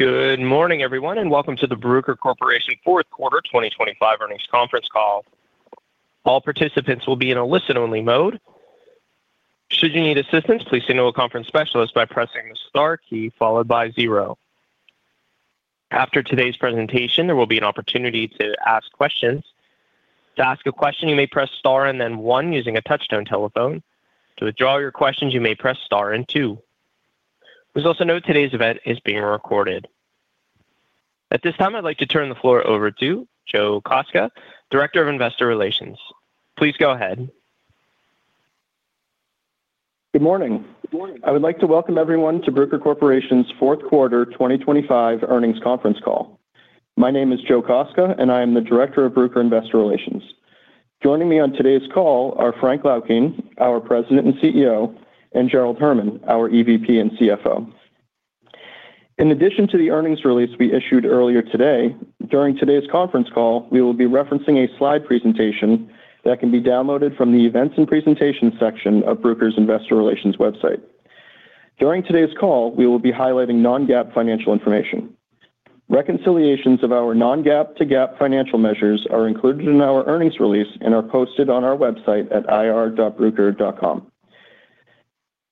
Good morning, everyone, and welcome to the Bruker Corporation fourth quarter 2025 earnings conference call. All participants will be in a listen-only mode. Should you need assistance, please signal a conference specialist by pressing the star key followed by zero. After today's presentation, there will be an opportunity to ask questions. To ask a question, you may press star and then one using a touchtone telephone. To withdraw your questions, you may press star and two. Please also note today's event is being recorded. At this time, I'd like to turn the floor over to Joe Kostka, Director of Investor Relations. Please go ahead. Good morning. I would like to welcome everyone to Bruker Corporation's fourth quarter 2025 earnings conference call. My name is Joe Kostka, and I am the Director of Bruker Investor Relations. Joining me on today's call are Frank Laukien, our President and CEO, and Gerald Herman, our EVP and CFO. In addition to the earnings release we issued earlier today, during today's conference call, we will be referencing a slide presentation that can be downloaded from the Events and Presentation section of Bruker's Investor Relations website. During today's call, we will be highlighting non-GAAP financial information. Reconciliations of our non-GAAP to GAAP financial measures are included in our earnings release and are posted on our website at ir.bruker.com.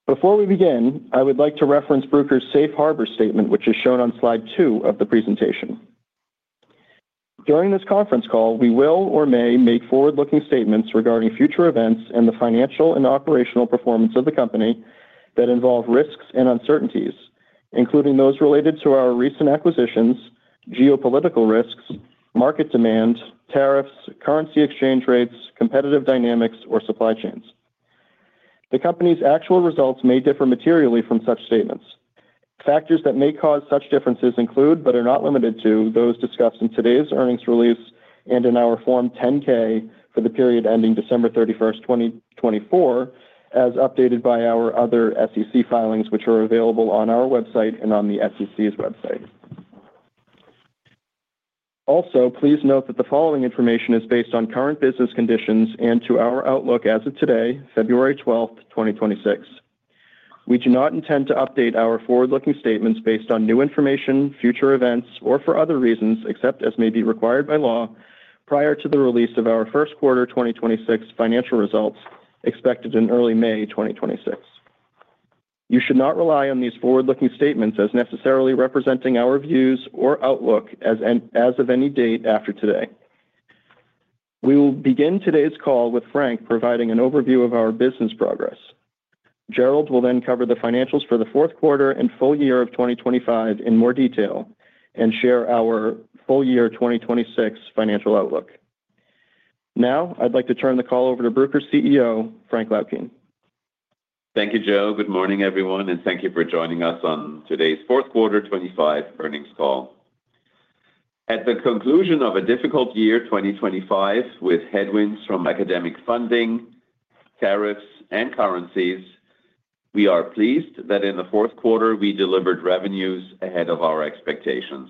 Before we begin, I would like to reference Bruker's Safe Harbor statement, which is shown on slide 2 of the presentation. During this conference call, we will or may make forward-looking statements regarding future events and the financial and operational performance of the company that involve risks and uncertainties, including those related to our recent acquisitions, geopolitical risks, market demand, tariffs, currency exchange rates, competitive dynamics, or supply chains. The company's actual results may differ materially from such statements. Factors that may cause such differences include, but are not limited to, those discussed in today's earnings release and in our Form 10-K for the period ending December 31st 2024, as updated by our other SEC filings, which are available on our website and on the SEC's website. Also, please note that the following information is based on current business conditions and to our outlook as of today, February 12th, 2026. We do not intend to update our forward-looking statements based on new information, future events, or for other reasons, except as may be required by law prior to the release of our first quarter 2026 financial results expected in early May 2026. You should not rely on these forward-looking statements as necessarily representing our views or outlook as of any date after today. We will begin today's call with Frank providing an overview of our business progress. Gerald will then cover the financials for the fourth quarter and full year of 2025 in more detail and share our full year 2026 financial outlook. Now, I'd like to turn the call over to Bruker's CEO, Frank Laukien. Thank you, Joe. Good morning, everyone, and thank you for joining us on today's fourth quarter 2025 earnings call. At the conclusion of a difficult year, 2025, with headwinds from academic funding, tariffs, and currencies, we are pleased that in the fourth quarter, we delivered revenues ahead of our expectations.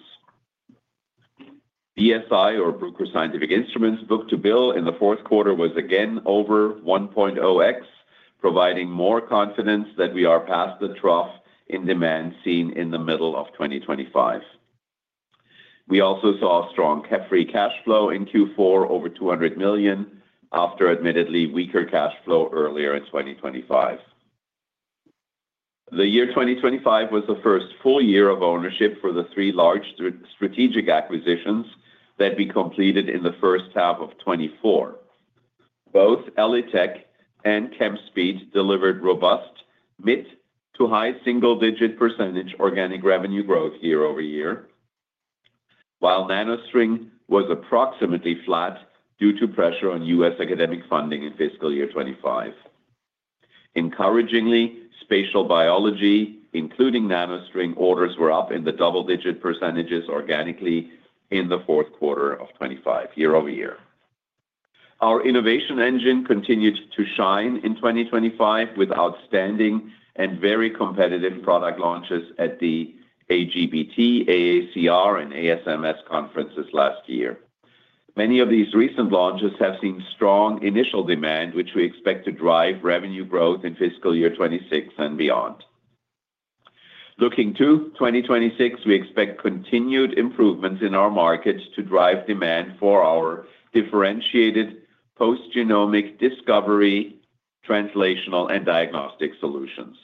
BSI or Bruker Scientific Instruments book-to-bill in the fourth quarter was again over 1.0x, providing more confidence that we are past the trough in demand seen in the middle of 2025. We also saw strong free cash flow in Q4, over $200 million, after admittedly weaker cash flow earlier in 2025. The year 2025 was the first full year of ownership for the three large strategic acquisitions that we completed in the first half of 2024. Both ELITech and Chemspeed delivered robust mid- to high-single-digit % organic revenue growth year-over-year, while NanoString was approximately flat due to pressure on U.S. academic funding in fiscal year 2025. Encouragingly, spatial biology, including NanoString orders, were up in the double-digit % organically in the fourth quarter of 2025, year-over-year. Our innovation engine continued to shine in 2025 with outstanding and very competitive product launches at the AGBT, AACR, and ASMS conferences last year. Many of these recent launches have seen strong initial demand, which we expect to drive revenue growth in fiscal year 2026 and beyond. Looking to 2026, we expect continued improvements in our markets to drive demand for our differentiated post-genomic discovery, translational, and diagnostic solutions.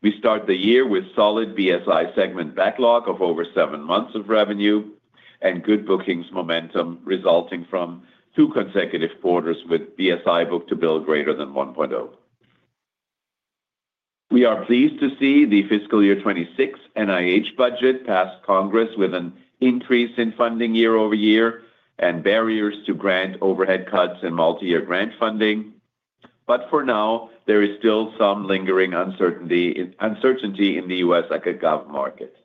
We start the year with solid BSI segment backlog of over seven months of revenue and good bookings momentum, resulting from two consecutive quarters with BSI book-to-bill greater than 1.0. We are pleased to see the fiscal year 2026 NIH budget pass Congress with an increase in funding year over year and barriers to grant overhead cuts and multi-year grant funding. But for now, there is still some lingering uncertainty, uncertainty in the U.S. gov market.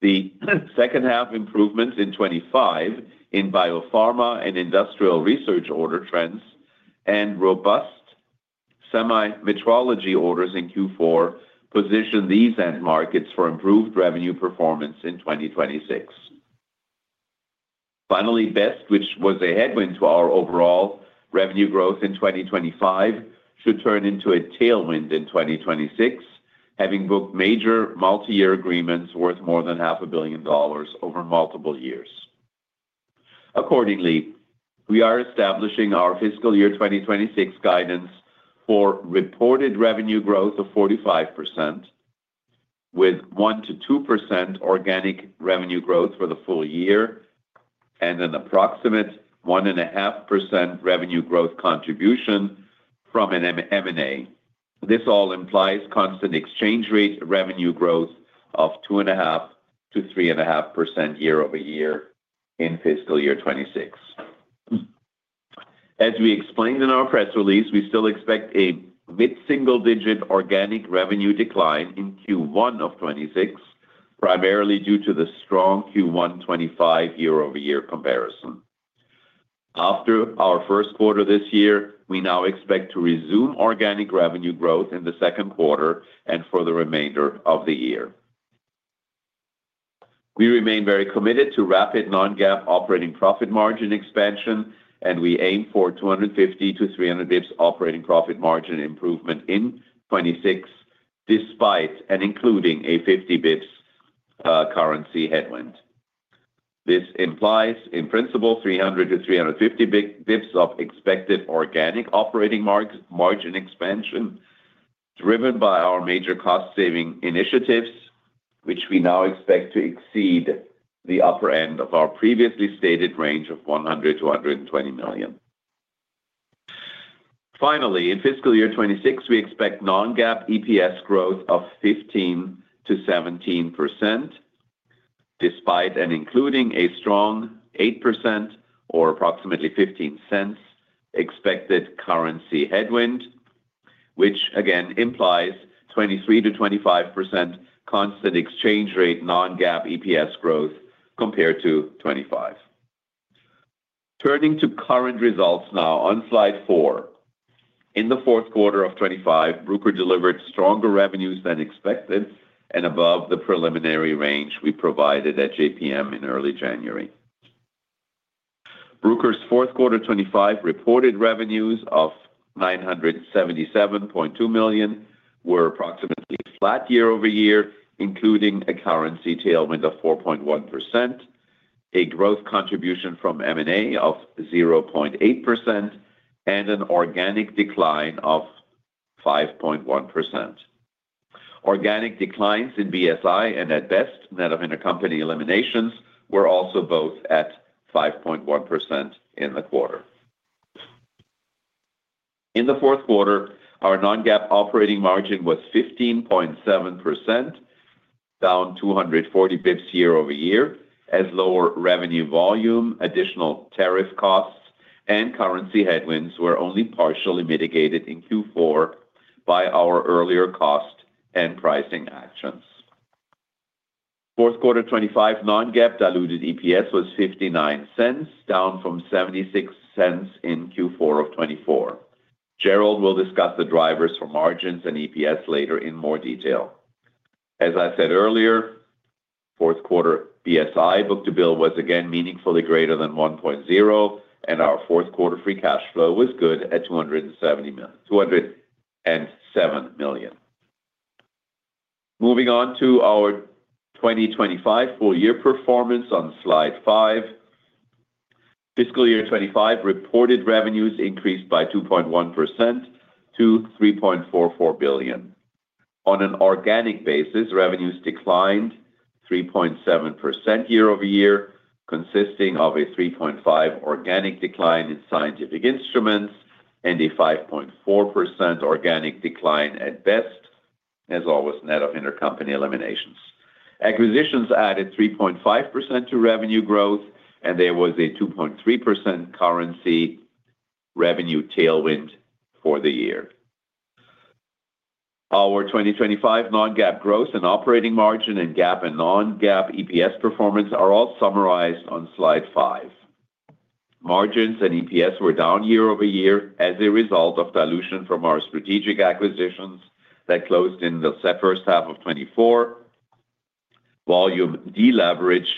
The second half improvements in 2025 in biopharma and industrial research order trends and robust semi-metrology orders in Q4 position these end markets for improved revenue performance in 2026. Finally, BEST, which was a headwind to our overall revenue growth in 2025, should turn into a tailwind in 2026, having booked major multi-year agreements worth more than $500 million over multiple years. Accordingly, we are establishing our fiscal year 2026 guidance for reported revenue growth of 45%, with 1%-2% organic revenue growth for the full year, and an approximate 1.5% revenue growth contribution from an M&A. This all implies constant exchange rate revenue growth of 2.5%-3.5% year-over-year in fiscal year 2026. As we explained in our press release, we still expect a mid-single-digit organic revenue decline in Q1 of 2026, primarily due to the strong Q1 2025 year-over-year comparison. After our first quarter this year, we now expect to resume organic revenue growth in the second quarter and for the remainder of the year. We remain very committed to rapid non-GAAP operating profit margin expansion, and we aim for 250 bps-300 bps operating profit margin improvement in 2026, despite and including a 50 bps currency headwind. This implies, in principle, 300 bps-350 bps of expected organic operating margin expansion, driven by our major cost-saving initiatives, which we now expect to exceed the upper end of our previously stated range of $100 million-$120 million. Finally, in fiscal year 2026, we expect non-GAAP EPS growth of 15%-17%, despite and including a strong 8% or approximately $0.15 expected currency headwind, which again implies 23%-25% constant exchange rate, non-GAAP EPS growth compared to 2025. Turning to current results now on slide four. In the fourth quarter of 2025, Bruker delivered stronger revenues than expected and above the preliminary range we provided at JPM in early January. Bruker's fourth quarter 2025 reported revenues of $977.2 million were approximately flat year-over-year, including a currency tailwind of 4.1%, a growth contribution from M&A of 0.8%, and an organic decline of 5.1%. Organic declines in BSI and at BEST, net of intercompany eliminations, were also both at 5.1% in the quarter. In the fourth quarter, our non-GAAP operating margin was 15.7%, down 240 basis points year-over-year, as lower revenue volume, additional tariff costs, and currency headwinds were only partially mitigated in Q4 by our earlier cost and pricing actions. Q4 2025 non-GAAP diluted EPS was $0.59, down from $0.76 in Q4 2024. Gerald will discuss the drivers for margins and EPS later in more detail. As I said earlier, fourth quarter BSI book-to-bill was again meaningfully greater than 1.0, and our fourth quarter free cash flow was good at $207 million. Moving on to our 2025 full year performance on slide 5. Fiscal year 2025 reported revenues increased by 2.1% to $3.44 billion. On an organic basis, revenues declined 3.7% year-over-year, consisting of a 3.5% organic decline in scientific instruments and a 5.4% organic decline at BEST, as always, net of intercompany eliminations. Acquisitions added 3.5% to revenue growth, and there was a 2.3% currency revenue tailwind for the year. Our 2025 non-GAAP growth and operating margin and GAAP and non-GAAP EPS performance are all summarized on slide 5. Margins and EPS were down year-over-year as a result of dilution from our strategic acquisitions that closed in the first half of 2024, volume deleverage,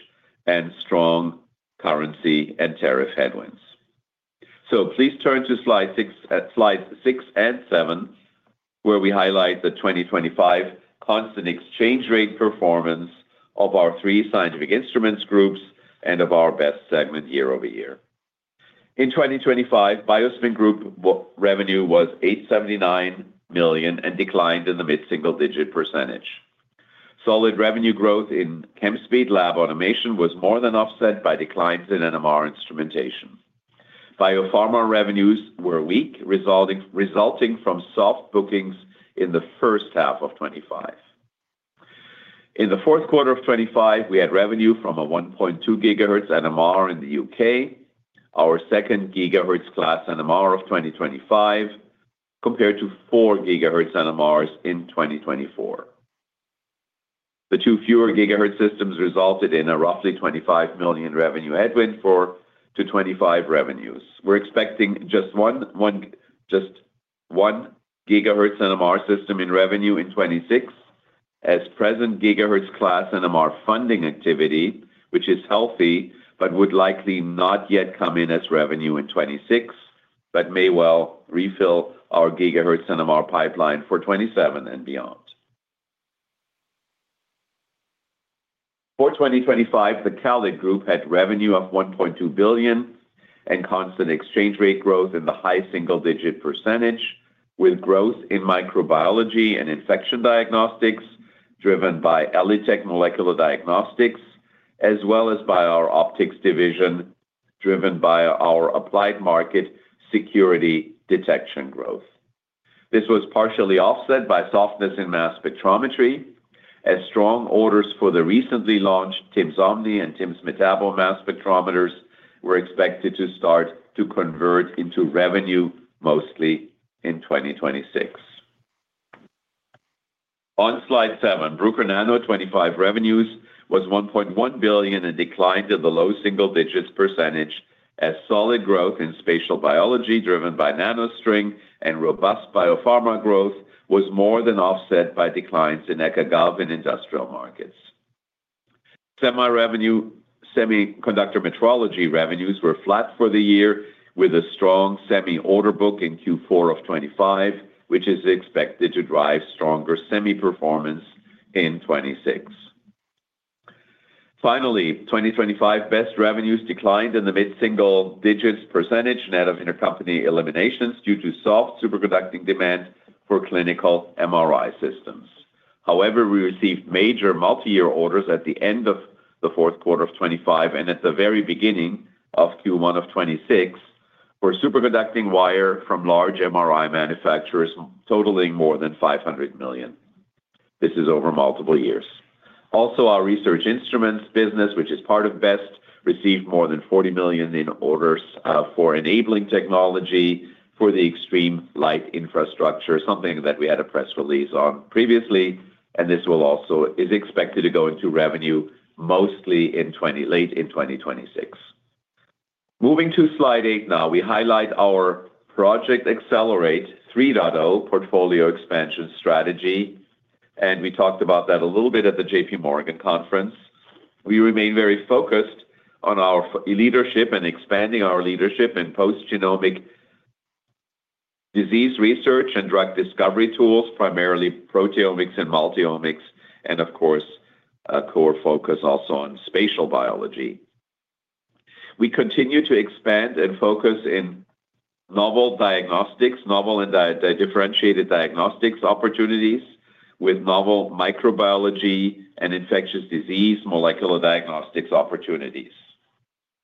and strong currency and tariff headwinds. So please turn to slide six, slides six and seven, where we highlight the 2025 constant exchange rate performance of our three scientific instruments groups and of our BEST segment year-over-year. In 2025, BioSpin group revenue was $879 million and declined in the mid-single-digit %. Solid revenue growth in Chemspeed lab automation was more than offset by declines in NMR instrumentation. Biopharma revenues were weak, resulting from soft bookings in the first half of 2025. In the fourth quarter of 2025, we had revenue from a 1.2 GHz NMR in the UK, our second GHz class NMR of 2025, compared to four GHz NMRs in 2024. The two fewer GHz systems resulted in a roughly $25 million revenue headwind for 2025 revenues. We're expecting just one GHz NMR system in revenue in 2026, at present GHz class NMR funding activity, which is healthy, but would likely not yet come in as revenue in 2026, but may well refill our GHz NMR pipeline for 2027 and beyond. For 2025, the CALID group had revenue of $1.2 billion and constant exchange rate growth in the high single-digit %, with growth in microbiology and infection diagnostics driven by ELITech Molecular Diagnostics, as well as by our optics division, driven by our applied market security detection growth. This was partially offset by softness in mass spectrometry, as strong orders for the recently launched timsTOF Omni and timsTOF Metabo mass spectrometers were expected to start to convert into revenue, mostly in 2026. On Slide seven, Bruker Nano 2025 revenues was $1.1 billion and declined to the low single-digits % as solid growth in spatial biology, driven by NanoString and robust biopharma growth, was more than offset by declines in academia/government and industrial markets. Semiconductor metrology revenues were flat for the year, with a strong semi order book in Q4 of 2025, which is expected to drive stronger semi performance in 2026. Finally, 2025 BEST revenues declined in the mid-single digits%, net of intercompany eliminations, due to soft superconducting demand for clinical MRI systems. However, we received major multi-year orders at the end of the fourth quarter of 2025 and at the very beginning of Q1 of 2026, for superconducting wire from large MRI manufacturers, totaling more than $500 million. This is over multiple years. Also, our research instruments business, which is part of BEST, received more than $40 million in orders for enabling technology for the Extreme Light Infrastructure, something that we had a press release on previously, and this is expected to go into revenue mostly late in 2026. Moving to slide eight now, we highlight our Project Accelerate 3. portfolio expansion strategy, and we talked about that a little bit at the J.P. Morgan conference. We remain very focused on our leadership and expanding our leadership in post-genomic disease research and drug discovery tools, primarily proteomics and multi-omics, and of course, a core focus also on spatial biology. We continue to expand and focus in novel diagnostics, novel and differentiated diagnostics opportunities with novel microbiology and infectious disease molecular diagnostics opportunities.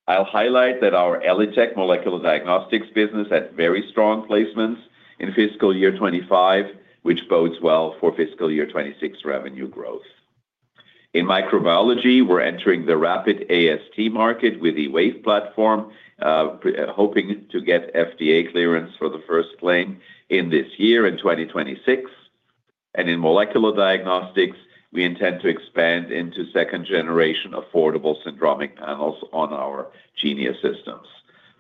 I'll highlight that our ELITech molecular diagnostics business had very strong placements in fiscal year 2025, which bodes well for fiscal year 2026 revenue growth. In microbiology, we're entering the rapid AST market with the WAVE platform, hoping to get FDA clearance for the first claim in this year, in 2026. In molecular diagnostics, we intend to expand into second-generation affordable syndromic panels on our Genea systems.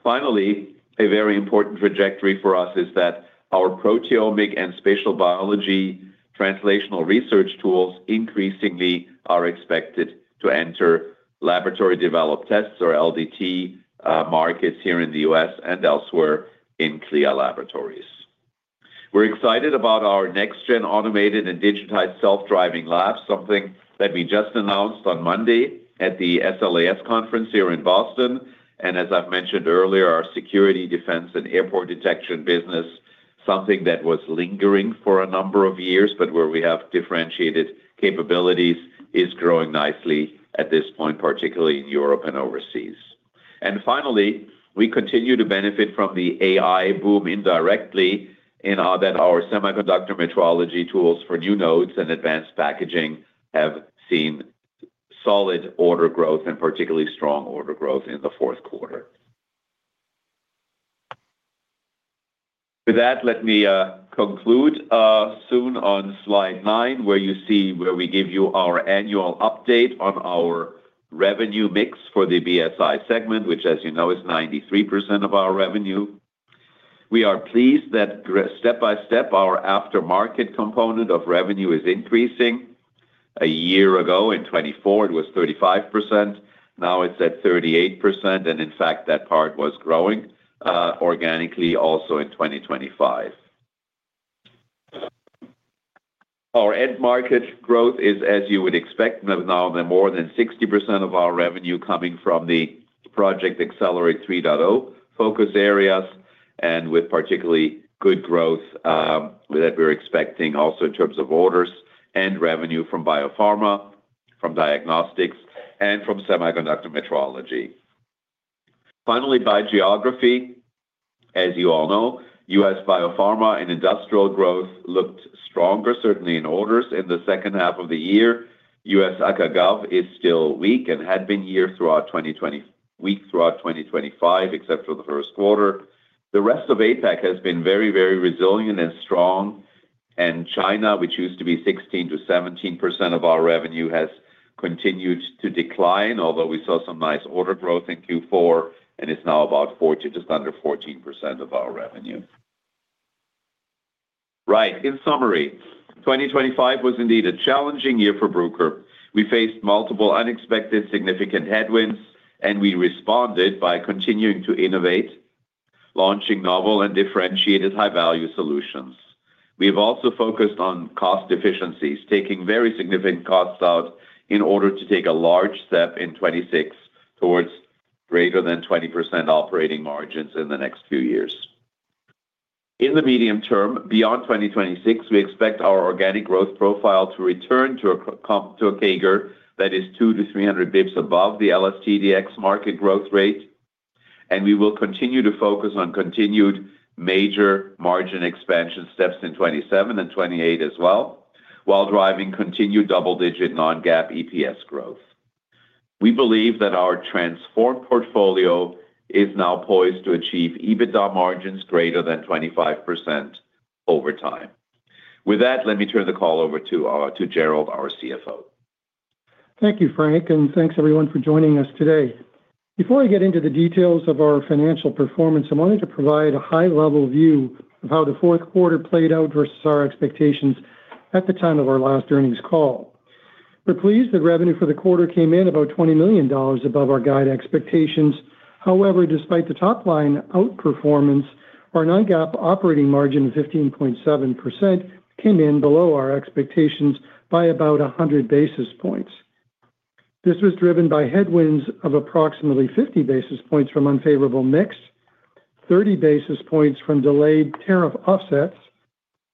Finally, a very important trajectory for us is that our proteomic and spatial biology translational research tools increasingly are expected to enter laboratory-developed tests or LDT markets here in the U.S. and elsewhere in CLIA laboratories. We're excited about our next-gen automated and digitized self-driving labs, something that we just announced on Monday at the SLAS conference here in Boston. As I've mentioned earlier, our security, defense, and airport detection business, something that was lingering for a number of years, but where we have differentiated capabilities, is growing nicely at this point, particularly in Europe and overseas. And finally, we continue to benefit from the AI boom indirectly in our, that our semiconductor metrology tools for new nodes and advanced packaging have seen solid order growth and particularly strong order growth in the fourth quarter. With that, let me conclude soon on slide 9, where you see where we give you our annual update on our revenue mix for the BSI segment, which, as you know, is 93% of our revenue. We are pleased that step by step, our aftermarket component of revenue is increasing. A year ago, in 2024, it was 35%, now it's at 38%, and in fact, that part was growing organically also in 2025. Our end market growth is, as you would expect, now more than 60% of our revenue coming from the Project Accelerate 3. focus areas and with particularly good growth that we're expecting also in terms of orders and revenue from biopharma, from diagnostics, and from semiconductor metrology. Finally, by geography, as you all know, U.S. biopharma and industrial growth looked stronger, certainly in orders in the second half of the year. U.S. Acad/Gov is still weak and had been weak throughout 2024, weak throughout 2025, except for the first quarter. The rest of APAC has been very, very resilient and strong, and China, which used to be 16%-17% of our revenue, has continued to decline, although we saw some nice order growth in Q4, and it's now about 14%, just under 14% of our revenue. Right. In summary, 2025 was indeed a challenging year for Bruker. We faced multiple unexpected significant headwinds, and we responded by continuing to innovate, launching novel and differentiated high-value solutions. We've also focused on cost efficiencies, taking very significant costs out in order to take a large step in 2026 towards greater than 20% operating margins in the next few years. In the medium term, beyond 2026, we expect our organic growth profile to return to a CAGR that is 200 basis points-300 basis points above the LST/Dx market growth rate, and we will continue to focus on continued major margin expansion steps in 2027 and 2028 as well, while driving continued double-digit non-GAAP EPS growth. We believe that our transformed portfolio is now poised to achieve EBITDA margins greater than 25% over time. With that, let me turn the call over to Gerald, our CFO. Thank you, Frank, and thanks everyone for joining us today. Before I get into the details of our financial performance, I wanted to provide a high-level view of how the fourth quarter played out versus our expectations at the time of our last earnings call. We're pleased that revenue for the quarter came in about $20 million above our guide expectations. However, despite the top-line outperformance, our non-GAAP operating margin of 15.7% came in below our expectations by about 100 basis points. This was driven by headwinds of approximately 50 basis points from unfavorable mix, 30 basis points from delayed tariff offsets,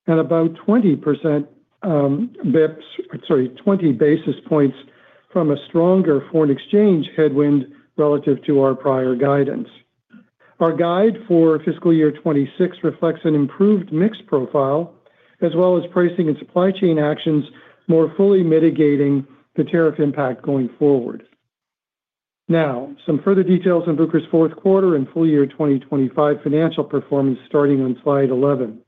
and about 20 basis points from a stronger foreign exchange headwind relative to our prior guidance. Our guide for fiscal year 2026 reflects an improved mix profile, as well as pricing and supply chain actions more fully mitigating the tariff impact going forward. Now, some further details on Bruker's fourth quarter and full year 2025 financial performance, starting on slide 11.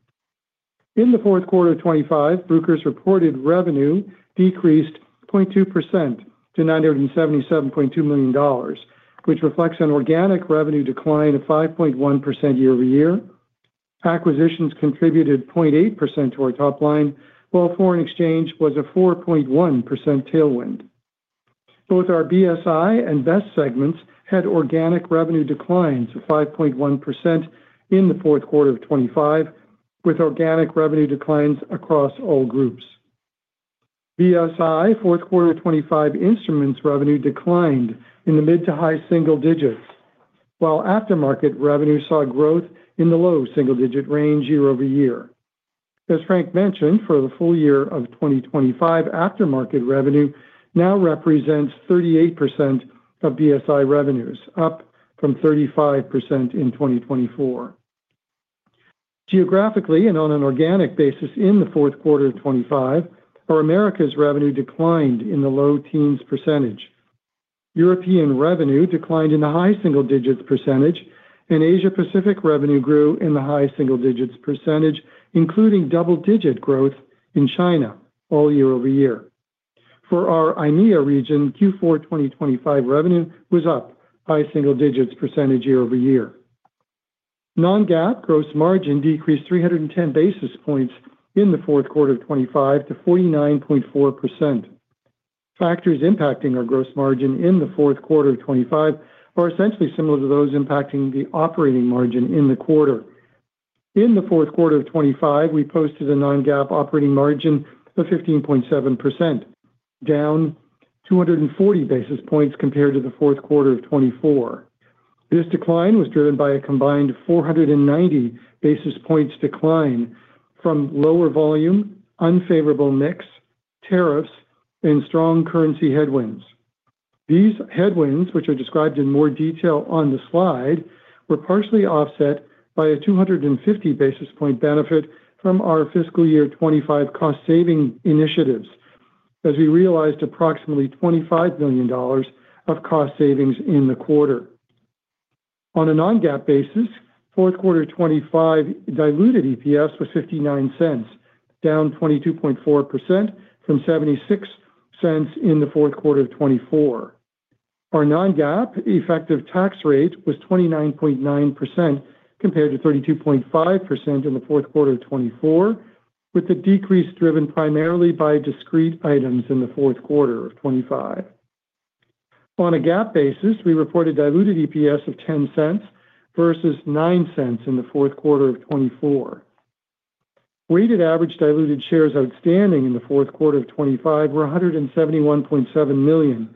In the fourth quarter of 2025, Bruker's reported revenue decreased 0.2% to $977.2 million, which reflects an organic revenue decline of 5.1% year-over-year. Acquisitions contributed 0.8% to our top line, while foreign exchange was a 4.1% tailwind. Both our BSI and BEST segments had organic revenue declines of 5.1% in the fourth quarter of 2025, with organic revenue declines across all groups. BSI fourth quarter 2025 instruments revenue declined in the mid- to high-single digits, while aftermarket revenue saw growth in the low single-digit range year-over-year. As Frank mentioned, for the full year of 2025, aftermarket revenue now represents 38% of BSI revenues, up from 35% in 2024. Geographically and on an organic basis in the fourth quarter of 2025, our Americas revenue declined in the low teens%. European revenue declined in the high single digits%, and Asia Pacific revenue grew in the high single digits%, including double-digit growth in China all year-over-year. For our IMEA region, Q4 2025 revenue was up high single digits% year-over-year. Non-GAAP gross margin decreased 310 basis points in the fourth quarter of 2025 to 49.4%. Factors impacting our gross margin in the fourth quarter of 2025 are essentially similar to those impacting the operating margin in the quarter. In the fourth quarter of 2025, we posted a Non-GAAP operating margin of 15.7%, down 240 basis points compared to the fourth quarter of 2024. This decline was driven by a combined 490 basis points decline from lower volume, unfavorable mix, tariffs, and strong currency headwinds. These headwinds, which are described in more detail on the slide, were partially offset by a 250 basis point benefit from our fiscal year 2025 cost-saving initiatives, as we realized approximately $25 million of cost savings in the quarter. On a non-GAAP basis, fourth quarter 2025 diluted EPS was $0.59, down 22.4% from $0.76 in the fourth quarter of 2024. Our non-GAAP effective tax rate was 29.9%, compared to 32.5% in the fourth quarter of 2024, with the decrease driven primarily by discrete items in the fourth quarter of 2025. On a GAAP basis, we reported diluted EPS of $0.10 versus $0.09 in the fourth quarter of 2024. Weighted average diluted shares outstanding in the fourth quarter of 2025 were 171.7 million,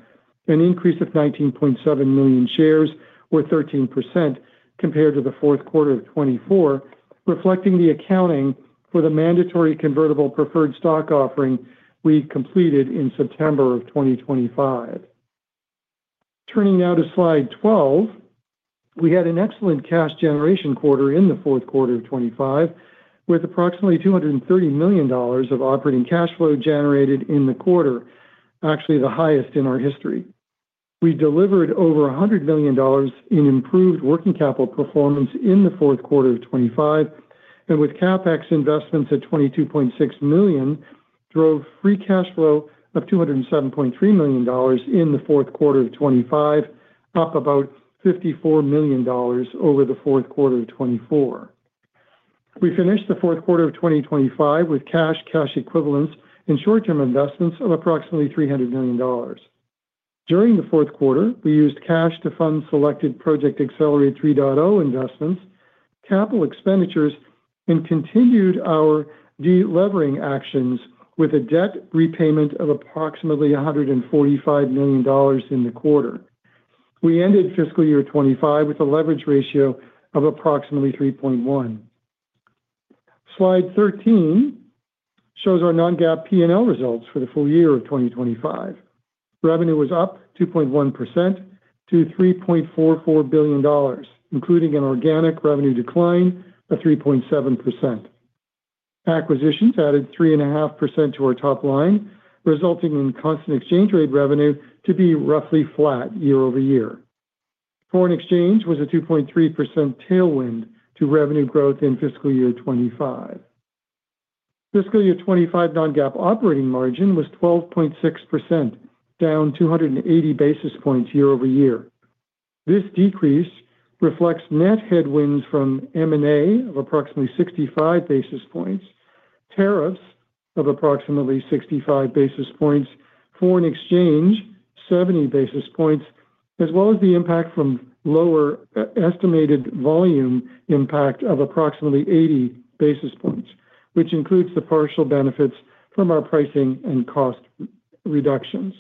an increase of 19.7 million shares, or 13%, compared to the fourth quarter of 2024, reflecting the accounting for the mandatory convertible preferred stock offering we completed in September 2025. Turning now to slide 12. We had an excellent cash generation quarter in the fourth quarter of 2025, with approximately $230 million of operating cash flow generated in the quarter, actually the highest in our history. We delivered over $100 million in improved working capital performance in the fourth quarter of 2025, and with CapEx investments at $22.6 million drove free cash flow of $207.3 million in the fourth quarter of 2025, up about $54 million over the fourth quarter of 2024. We finished the fourth quarter of 2025 with cash, cash equivalents, and short-term investments of approximately $300 million. During the fourth quarter, we used cash to fund selected Project Accelerate 3.0 investments, capital expenditures, and continued our de-levering actions with a debt repayment of approximately $145 million in the quarter. We ended fiscal year 2025 with a leverage ratio of approximately 3.1. Slide 13 shows our non-GAAP P&L results for the full year of 2025. Revenue was up 2.1% to $3.44 billion, including an organic revenue decline of 3.7%. Acquisitions added 3.5% to our top line, resulting in constant exchange rate revenue to be roughly flat year-over-year. Foreign exchange was a 2.3% tailwind to revenue growth in fiscal year 2025. Fiscal year 2025 non-GAAP operating margin was 12.6%, down 280 basis points year-over-year. This decrease reflects net headwinds from M&A of approximately 65 basis points, tariffs of approximately 65 basis points, foreign exchange, 70 basis points, as well as the impact from lower estimated volume impact of approximately 80 basis points, which includes the partial benefits from our pricing and cost reductions.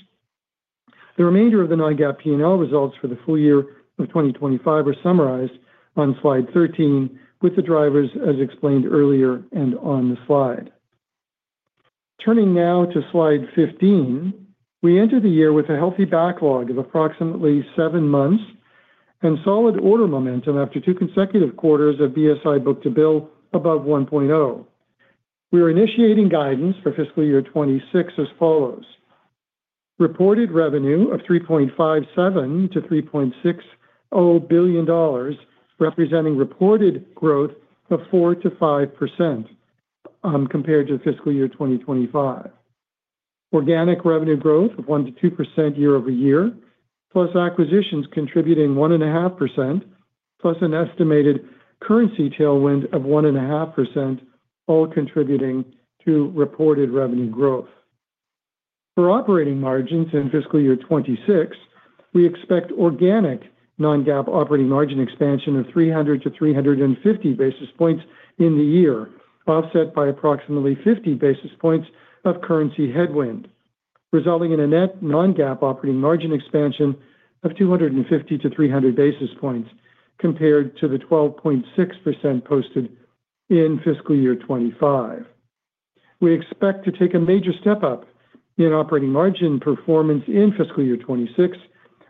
The remainder of the non-GAAP P&L results for the full year of 2025 are summarized on slide 13, with the drivers, as explained earlier and on the slide. Turning now to slide 15, we entered the year with a healthy backlog of approximately seven months and solid order momentum after two consecutive quarters of BSI book-to-bill above 1.0. We are initiating guidance for fiscal year 2026 as follows: reported revenue of $3.57 billion-$3.60 billion, representing reported growth of 4%-5%, compared to fiscal year 2025. Organic revenue growth of 1%-2% year-over-year, plus acquisitions contributing 1.5%, plus an estimated currency tailwind of 1.5%, all contributing to reported revenue growth. For operating margins in fiscal year 2026, we expect organic non-GAAP operating margin expansion of 300 basis points-350 basis points in the year, offset by approximately 50 basis points of currency headwind, resulting in a net non-GAAP operating margin expansion of 250 basis points-300 basis points compared to the 12.6% posted in fiscal year 2025. We expect to take a major step-up in operating margin performance in fiscal year 2026,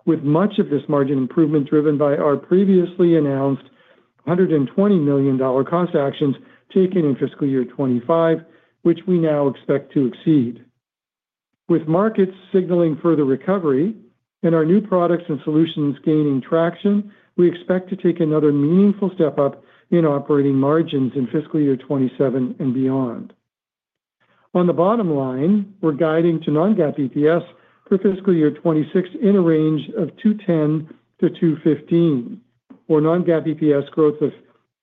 with much of this margin improvement driven by our previously announced $120 million cost actions taken in fiscal year 2025, which we now expect to exceed. With markets signaling further recovery and our new products and solutions gaining traction, we expect to take another meaningful step-up in operating margins in fiscal year 2027 and beyond. On the bottom line, we're guiding to non-GAAP EPS for fiscal year 2026 in a range of 210-215, or non-GAAP EPS growth of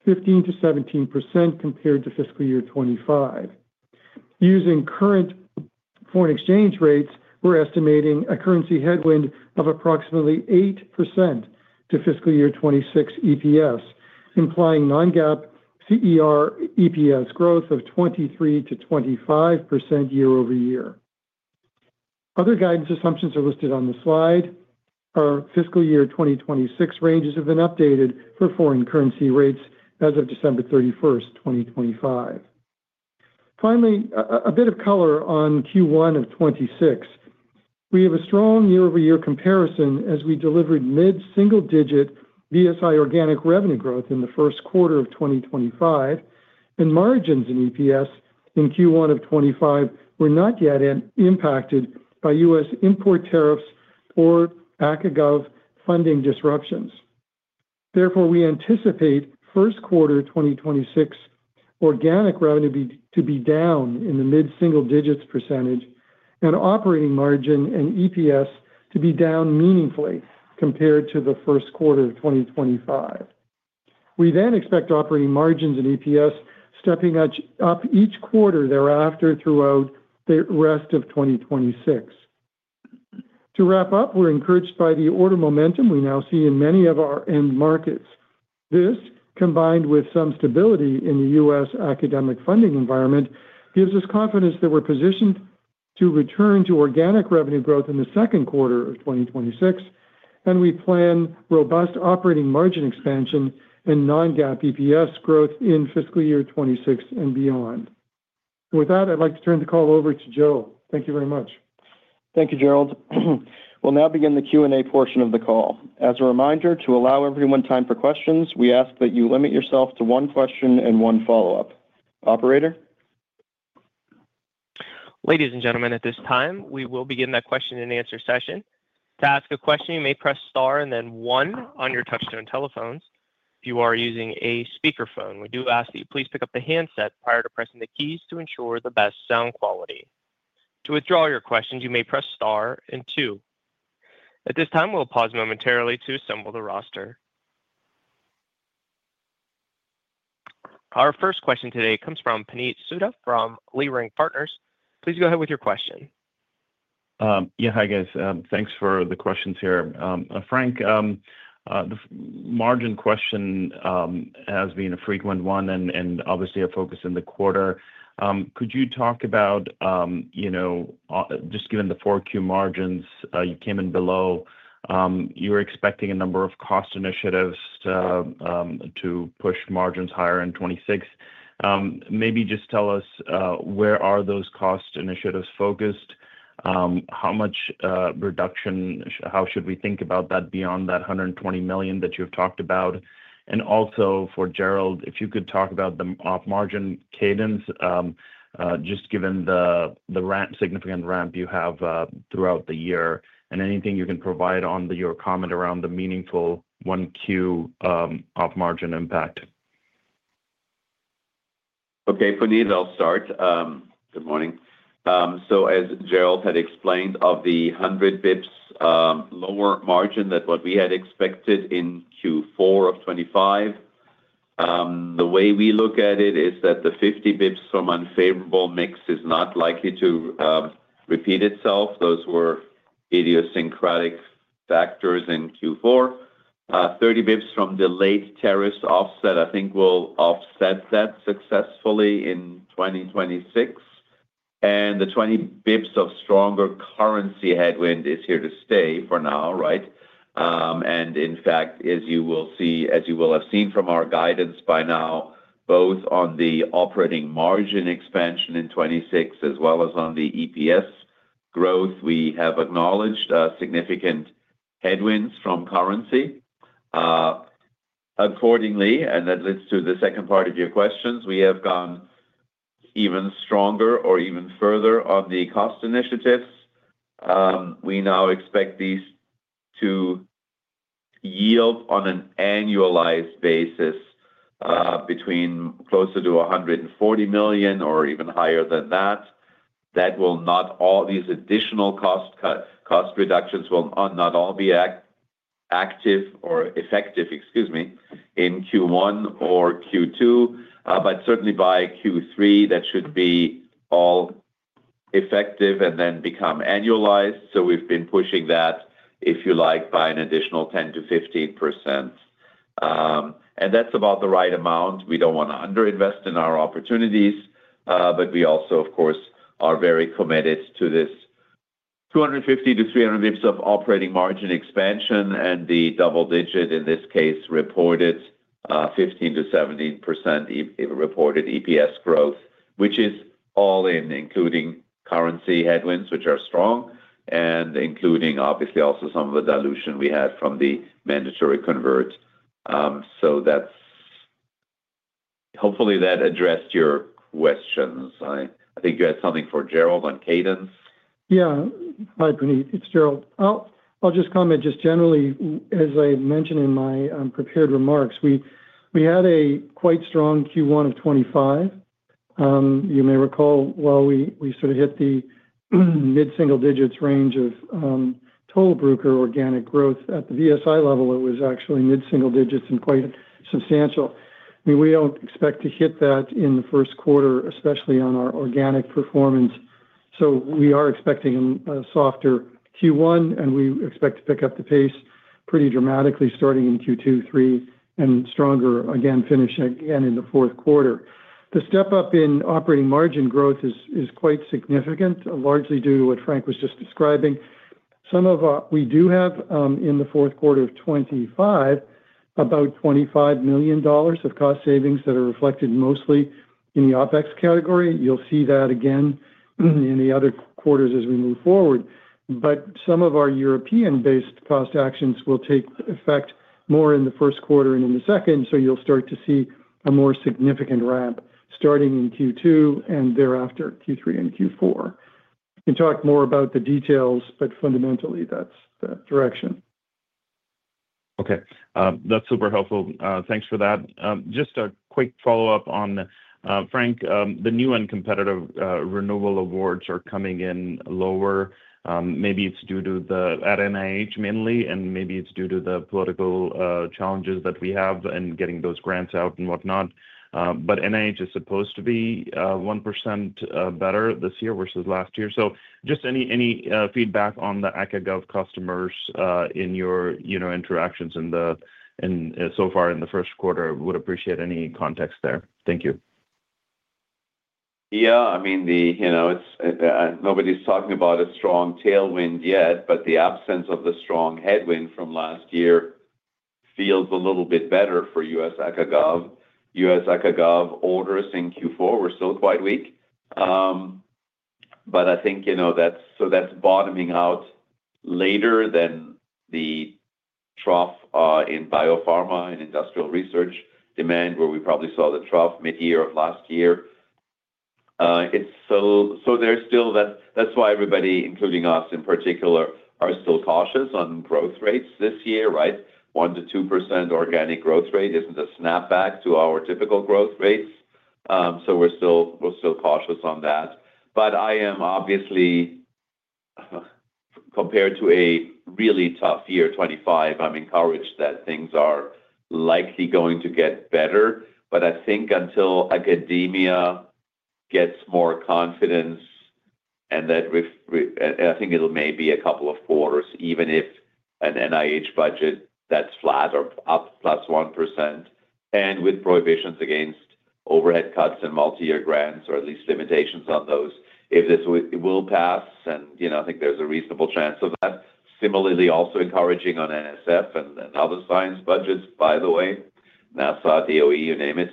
15%-17% compared to fiscal year 2025. Using current foreign exchange rates, we're estimating a currency headwind of approximately 8% to fiscal year 2026 EPS, implying non-GAAP CER EPS growth of 23%-25% year-over-year. Other guidance assumptions are listed on the slide. Our fiscal year 2026 ranges have been updated for foreign currency rates as of December 31st, 2025. Finally, a bit of color on Q1 of 2026. We have a strong year-over-year comparison as we delivered mid-single-digit BSI organic revenue growth in the first quarter of 2025, and margins in EPS in Q1 of 2025 were not yet impacted by U.S. import tariffs or ACA GOV funding disruptions. Therefore, we anticipate first quarter 2026 organic revenue to be down in the mid-single digits% and operating margin and EPS to be down meaningfully compared to the first quarter of 2025. We then expect operating margins and EPS stepping up each quarter thereafter throughout the rest of 2026. To wrap up, we're encouraged by the order momentum we now see in many of our end markets. This, combined with some stability in the U.S. academic funding environment, gives us confidence that we're positioned to return to organic revenue growth in the second quarter of 2026, and we plan robust operating margin expansion and non-GAAP EPS growth in fiscal year 2026 and beyond. With that, I'd like to turn the call over to Joe. Thank you very much. Thank you, Gerald. We'll now begin the Q&A portion of the call. As a reminder, to allow everyone time for questions, we ask that you limit yourself to one question and one follow-up. Operator? Ladies and gentlemen, at this time, we will begin that question-and-answer session. To ask a question, you may press star and then one on your touchtone telephones. If you are using a speakerphone, we do ask that you please pick up the handset prior to pressing the keys to ensure the best sound quality. To withdraw your questions, you may press star and two. At this time, we'll pause momentarily to assemble the roster. Our first question today comes from Puneet Souda from Leerink Partners. Please go ahead with your question. Yeah, hi, guys. Thanks for the questions here. Frank, the margin question has been a frequent one and obviously a focus in the quarter. Could you talk about, you know, just given the 4Q margins, you came in below, you were expecting a number of cost initiatives to push margins higher in 2026. Maybe just tell us where are those cost initiatives focused? How much reduction—How should we think about that beyond that $120 million that you have talked about? And also for Gerald, if you could talk about the OpEx margin cadence, just given the significant ramp you have throughout the year, and anything you can provide on your comment around the meaningful 1Q OpEx margin impact. Okay, Puneet, I'll start. Good morning. So as Gerald had explained, of the 100 basis points, lower margin than what we had expected in Q4 of 2025, the way we look at it is that the 50 basis points from unfavorable mix is not likely to repeat itself. Those were idiosyncratic factors in Q4. 30 basis points from delayed revenue offset, I think will offset that successfully in 2026, and the 20 basis points of stronger currency headwind is here to stay for now, right? And in fact, as you will see, as you will have seen from our guidance by now, both on the operating margin expansion in 2026 as well as on the EPS growth, we have acknowledged significant headwinds from currency. Accordingly, and that leads to the second part of your questions, we have gone even stronger or even further on the cost initiatives. We now expect these to yield on an annualized basis, between closer to $140 million or even higher than that. That will not all these additional cost cut, cost reductions will, not all be active or effective, excuse me, in Q1 or Q2, but certainly by Q3, that should be all effective and then become annualized. So we've been pushing that, if you like, by an additional 10%-15%. And that's about the right amount. We don't want to under-invest in our opportunities, but we also, of course, are very committed to this 250 basis points-300 basis points of operating margin expansion and the double digit, in this case, reported, 15%-17% reported EPS growth. Which is all in including currency headwinds, which are strong, and including, obviously, also some of the dilution we had from the mandatory convert. So that's hopefully, that addressed your questions. I think you had something for Gerald on cadence. Yeah. Hi, Puneet, it's Gerald. I'll just comment just generally, as I mentioned in my prepared remarks, we had a quite strong Q1 of 2025. You may recall, while we sort of hit the mid-single digits range of total Bruker organic growth at the VSI level, it was actually mid-single digits and quite substantial. I mean, we don't expect to hit that in the first quarter, especially on our organic performance. So we are expecting a softer Q1, and we expect to pick up the pace pretty dramatically starting in Q2, Q3, and stronger again, finishing again in the fourth quarter. The step up in operating margin growth is quite significant, largely due to what Frank was just describing. We do have, in the fourth quarter of 2025, about $25 million of cost savings that are reflected mostly in the OpEx category. You'll see that again, in the other quarters as we move forward. But some of our European-based cost actions will take effect more in the first quarter and in the second. So you'll start to see a more significant ramp starting in Q2 and thereafter, Q3 and Q4. We can talk more about the details, but fundamentally, that's the direction. Okay. That's super helpful. Thanks for that. Just a quick follow-up on, Frank. The new and competitive renewable awards are coming in lower. Maybe it's due to that at NIH, mainly, and maybe it's due to the political challenges that we have in getting those grants out and whatnot. But NIH is supposed to be 1% better this year versus last year. So just any feedback on the academic and government customers, in your, you know, interactions so far in the first quarter? Would appreciate any context there. Thank you. Yeah, I mean, the, you know, it's, nobody's talking about a strong tailwind yet, but the absence of the strong headwind from last year feels a little bit better for U.S. ACA Gov. U.S. ACA Gov orders in Q4 were still quite weak. But I think, you know, that's so that's bottoming out later than the trough, in biopharma and industrial research demand, where we probably saw the trough mid-year of last year. It's so, so there's still that. That's why everybody, including us in particular, are still cautious on growth rates this year, right? 1%-2% organic growth rate isn't a snapback to our typical growth rates. So we're still, we're still cautious on that. But I am obviously, compared to a really tough year, 2025, I'm encouraged that things are likely going to get better. But I think until academia gets more confidence and that and I think it'll may be a couple of quarters, even if an NIH budget that's flat or up +1%, and with prohibitions against overhead cuts and multi-year grants, or at least limitations on those, if this will pass, and, you know, I think there's a reasonable chance of that. Similarly, also encouraging on NSF and other science budgets, by the way, NASA, DOE, you name it.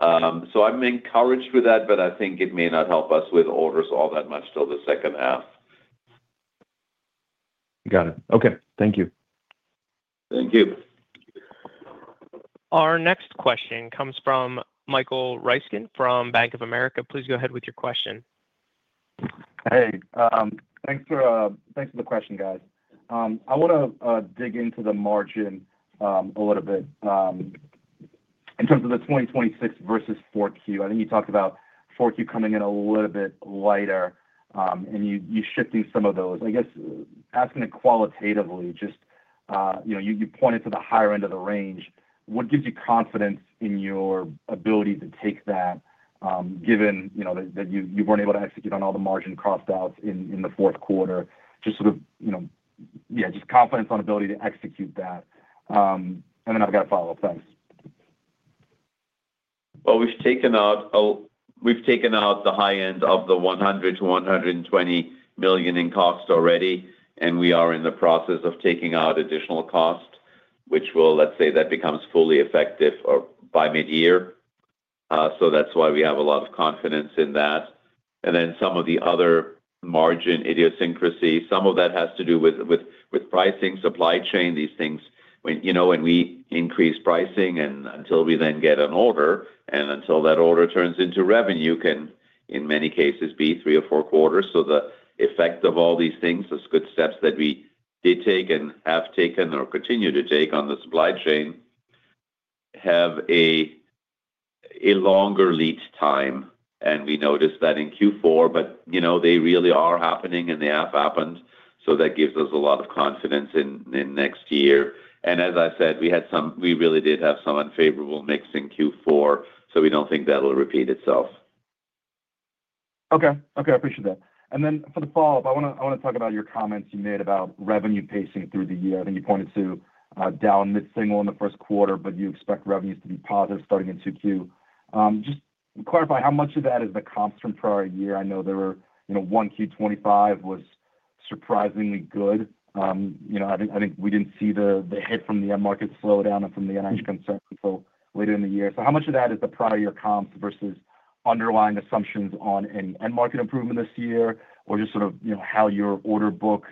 So I'm encouraged with that, but I think it may not help us with orders all that much till the second half. Got it. Okay. Thank you. Thank you. Our next question comes from Michael Ryskin from Bank of America. Please go ahead with your question. Hey, thanks for the question, guys. I wanna dig into the margin a little bit in terms of the 2026 versus 4Q. I think you talked about 4Q coming in a little bit lighter, and you shifting some of those. I guess asking it qualitatively, just you know you pointed to the higher end of the range. What gives you confidence in your ability to take that, given you know that you weren't able to execute on all the margin cost outs in the fourth quarter? Just sort of you know yeah just confidence on ability to execute that. And then I've got a follow-up. Thanks. Well, we've taken out the high end of the $100 million-$120 million in costs already, and we are in the process of taking out additional costs, which will, let's say, that becomes fully effective by mid-year. So that's why we have a lot of confidence in that. And then some of the other margin idiosyncrasy, some of that has to do with pricing, supply chain, these things. When, you know, when we increase pricing and until we then get an order, and until that order turns into revenue, can, in many cases, be three or four quarters. So the effect of all these things, those good steps that we did take and have taken or continue to take on the supply chain, have a longer lead time, and we noticed that in Q4. But, you know, they really are happening and they have happened, so that gives us a lot of confidence in next year. And as I said, we had some, we really did have some unfavorable mix in Q4, so we don't think that'll repeat itself. Okay. Okay, I appreciate that. For the follow-up, I wanna talk about your comments you made about revenue pacing through the year. I think you pointed to down mid-single in the first quarter, but you expect revenues to be positive starting in 2Q. Just clarify how much of that is the comps from prior year? I know there were, you know, 1Q 2025 was surprisingly good. You know, I think we didn't see the hit from the end market slowdown and from the NIH concern until later in the year. So how much of that is the prior year comps versus underlying assumptions on any end market improvement this year? Or just sort of, you know, how your order book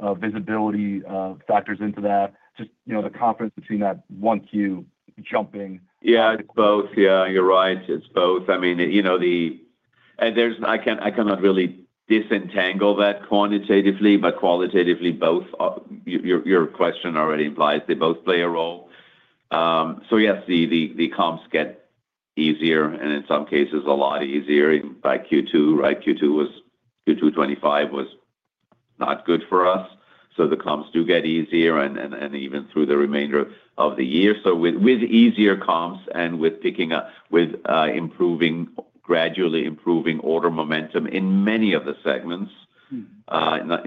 visibility factors into that, just, you know, the confidence between that 1Q jumping. Yeah, it's both. Yeah, you're right, it's both. I mean, you know, and there's I can't, I cannot really disentangle that quantitatively, but qualitatively, both are your question already implies they both play a role. So yes, the comps get easier, and in some cases, a lot easier by Q2, right? Q2 2025 was not good for us, so the comps do get easier and even through the remainder of the year. So with easier comps and with picking up, with improving, gradually improving order momentum in many of the segments,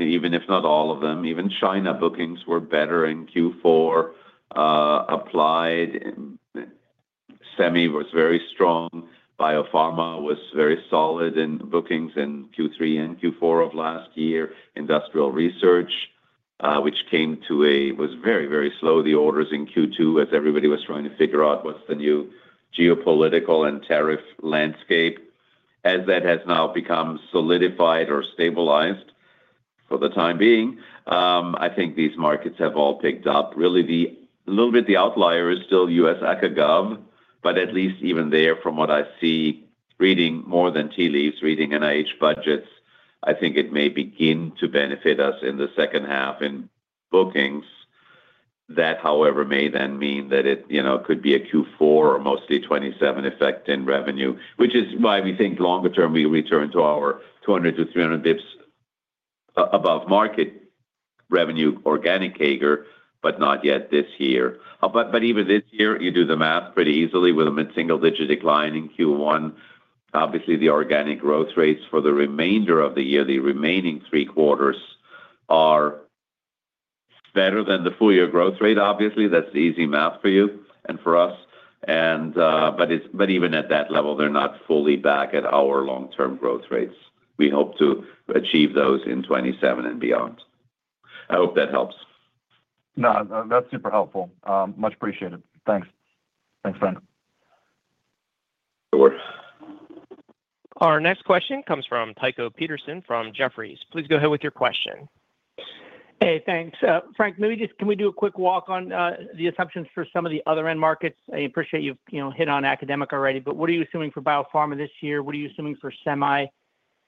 even if not all of them, even China bookings were better in Q4, Applied and Semi was very strong. Biopharma was very solid in bookings in Q3 and Q4 of last year. Industrial research, which was very, very slow, the orders in Q2, as everybody was trying to figure out what's the new geopolitical and tariff landscape. As that has now become solidified or stabilized for the time being, I think these markets have all picked up. Really, the little bit the outlier is still U.S. aka gov, but at least even there, from what I see, reading more than tea leaves, reading NIH budgets, I think it may begin to benefit us in the second half in bookings. That, however, may then mean that it, you know, could be a Q4 or mostly 2027 effect in revenue, which is why we think longer term, we return to our 200 basis points-300 basis points above market revenue, organic CAGR, but not yet this year. But even this year, you do the math pretty easily with a mid-single-digit decline in Q1. Obviously, the organic growth rates for the remainder of the year, the remaining three quarters, are better than the full year growth rate. Obviously, that's easy math for you and for us. But even at that level, they're not fully back at our long-term growth rates. We hope to achieve those in 2027 and beyond. I hope that helps. No, that's super helpful. Much appreciated. Thanks. Thanks, Frank. Sure. Our next question comes from Tycho Peterson from Jefferies. Please go ahead with your question. Hey, thanks. Frank, maybe just can we do a quick walk on the assumptions for some of the other end markets? I appreciate you've, you know, hit on academic already, but what are you assuming for biopharma this year? What are you assuming for semi? You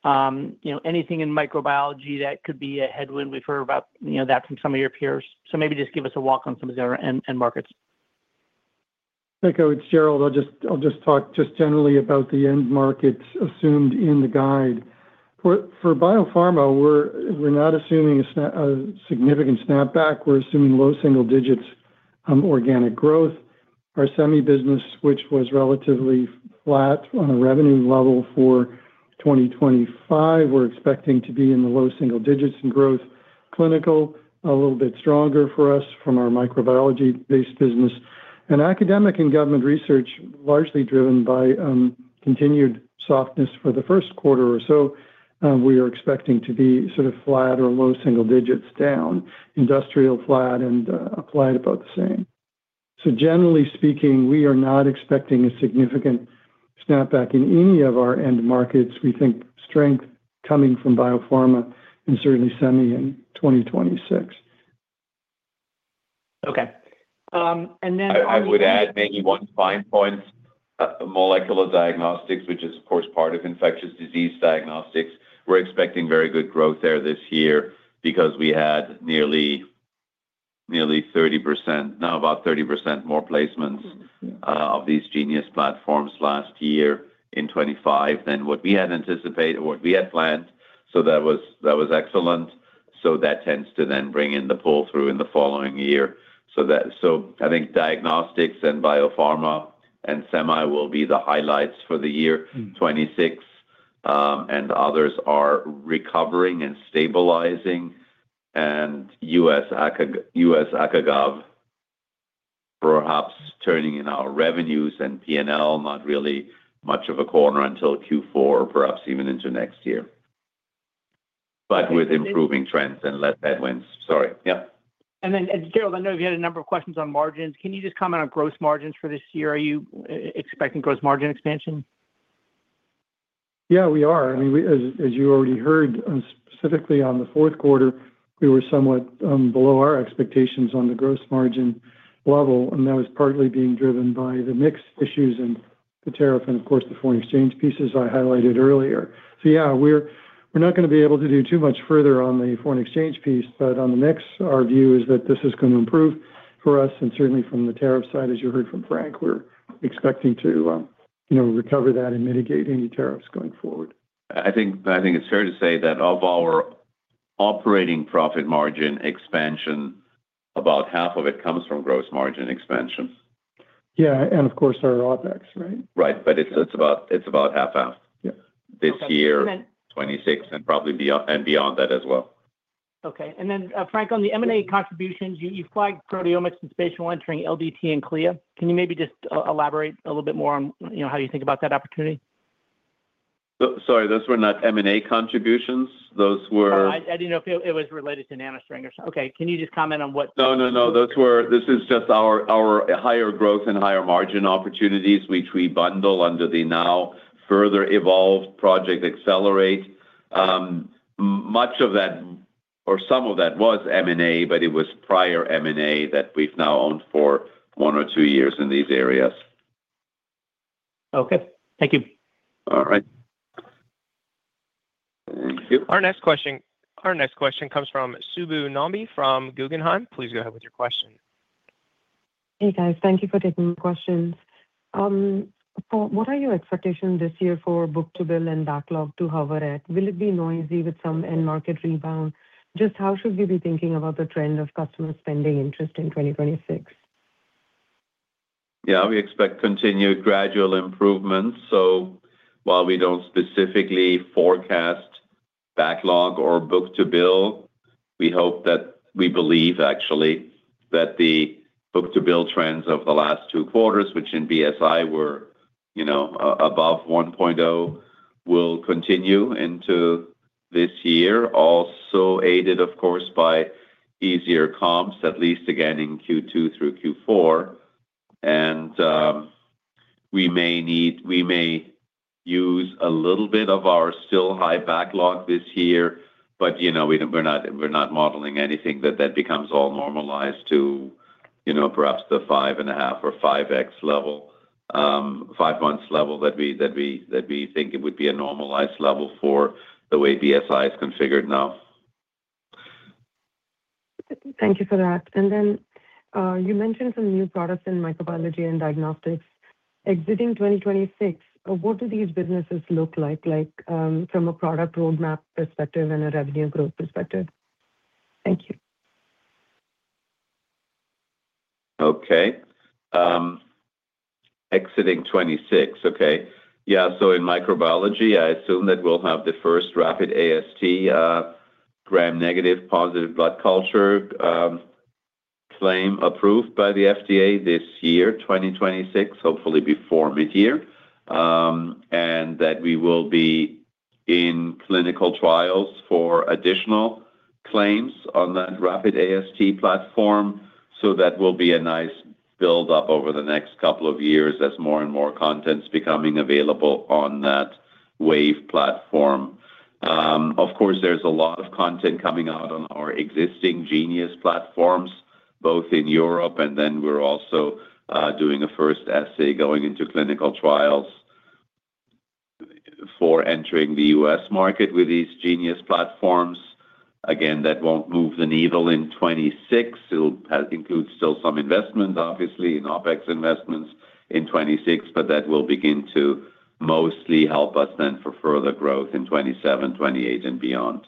know, anything in microbiology that could be a headwind, we've heard about, you know, that from some of your peers. So maybe just give us a walk on some of the other end markets. Thank you. It's Gerald. I'll just, I'll just talk just generally about the end markets assumed in the guide. For, for biopharma, we're, we're not assuming a snap, a significant snapback. We're assuming low single digits organic growth. Our semi business, which was relatively flat on a revenue level for 2025, we're expecting to be in the low single digits in growth. Clinical, a little bit stronger for us from our microbiology-based business. And academic and government research, largely driven by continued softness for the first quarter or so, we are expecting to be sort of flat or low single digits down. Industrial, flat and applied about the same. So generally speaking, we are not expecting a significant snapback in any of our end markets. We think strength coming from biopharma and certainly semi in 2026. Okay. And then- I, I would add maybe one fine point. Molecular diagnostics, which is of course part of infectious disease diagnostics, we're expecting very good growth there this year because we had nearly, nearly 30%, now about 30% more placements, of these Genius platforms last year in 2025 than what we had anticipated, what we had planned. So that was, that was excellent. So that tends to then bring in the pull-through in the following year. So that. So I think diagnostics and biopharma and semi will be the highlights for the year. 2026, and others are recovering and stabilizing, and U.S. aka, U.S. aka gov, perhaps turning in our revenues and P&L, not really much of a corner until Q4, perhaps even into next year. But with improving trends and less headwinds. Sorry. Yeah. Gerald, I know you had a number of questions on margins. Can you just comment on gross margins for this year? Are you expecting gross margin expansion? Yeah, we are. I mean, we, as, as you already heard, specifically on the fourth quarter, we were somewhat below our expectations on the gross margin level, and that was partly being driven by the mix issues and the tariff and of course, the foreign exchange pieces I highlighted earlier. So yeah, we're, we're not gonna be able to do too much further on the foreign exchange piece, but on the mix, our view is that this is gonna improve for us. And certainly from the tariff side, as you heard from Frank, we're expecting to, you know, recover that and mitigate any tariffs going forward. I think, I think it's fair to say that of our operating profit margin expansion, about half of it comes from gross margin expansion. Yeah, and of course, our OpEx, right? Right. But it's about half, half- Yeah. - this year, 2026, and probably be, and beyond that as well. Okay. Then, Frank, on the M&A contributions, you flagged proteomics and spatial entering, LDT and CLIA. Can you maybe just elaborate a little bit more on, you know, how you think about that opportunity? So sorry, those were not M&A contributions. Those were- Oh, I didn't know if it was related to NanoString or something. Okay. Can you just comment on what- No, no, no. This is just our higher growth and higher margin opportunities, which we bundle under the now further evolved Project Accelerate. Much of that, or some of that was M&A, but it was prior M&A that we've now owned for one or two years in these areas. Okay, thank you. All right. Thank you. Our next question comes from Subbu Nambi from Guggenheim. Please go ahead with your question. Hey, guys. Thank you for taking the questions. So what are your expectations this year for book-to-bill and backlog to hover at? Will it be noisy with some end market rebound? Just how should we be thinking about the trend of customer spending interest in 2026? Yeah, we expect continued gradual improvements. So while we don't specifically forecast backlog or book-to-bill, we hope that... we believe, actually, that the book-to-bill trends of the last two quarters, which in BSI were, you know, above 1.0, will continue into this year. Also aided, of course, by easier comps, at least again in Q2 through Q4. And, we may need, we may use a little bit of our still high backlog this year, but, you know, we're not, we're not modeling anything that, that becomes all normalized to, you know, perhaps the 5.5x or 5x level, five months level that we, that we, that we think it would be a normalized level for the way BSI is configured now. Thank you for that. Then, you mentioned some new products in microbiology and diagnostics. Exiting 2026, what do these businesses look like, like, from a product roadmap perspective and a revenue growth perspective? Thank you. Okay. Yeah, so in microbiology, I assume that we'll have the first rapid AST, gram-negative positive blood culture, claim approved by the FDA this year, 2026, hopefully before midyear. And that we will be in clinical trials for additional claims on that rapid AST platform. So that will be a nice build-up over the next couple of years as more and more content is becoming available on that Wave platform. Of course, there's a lot of content coming out on our existing Genius platforms, both in Europe, and then we're also doing a first assay, going into clinical trials for entering the US market with these Genius platforms. Again, that won't move the needle in 2026. It'll include still some investment, obviously, in OpEx investments in 2026, but that will begin to mostly help us then for further growth in 2027, 2028, and beyond.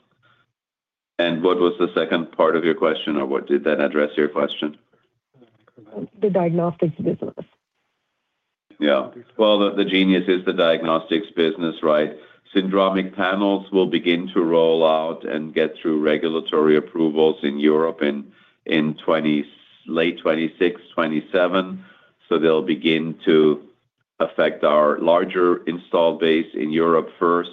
And what was the second part of your question, or did that address your question? The diagnostics business. Yeah. Well, BeGenius is the diagnostics business, right? Syndromic panels will begin to roll out and get through regulatory approvals in Europe in late 2026, 2027. So they'll begin to affect our larger install base in Europe first,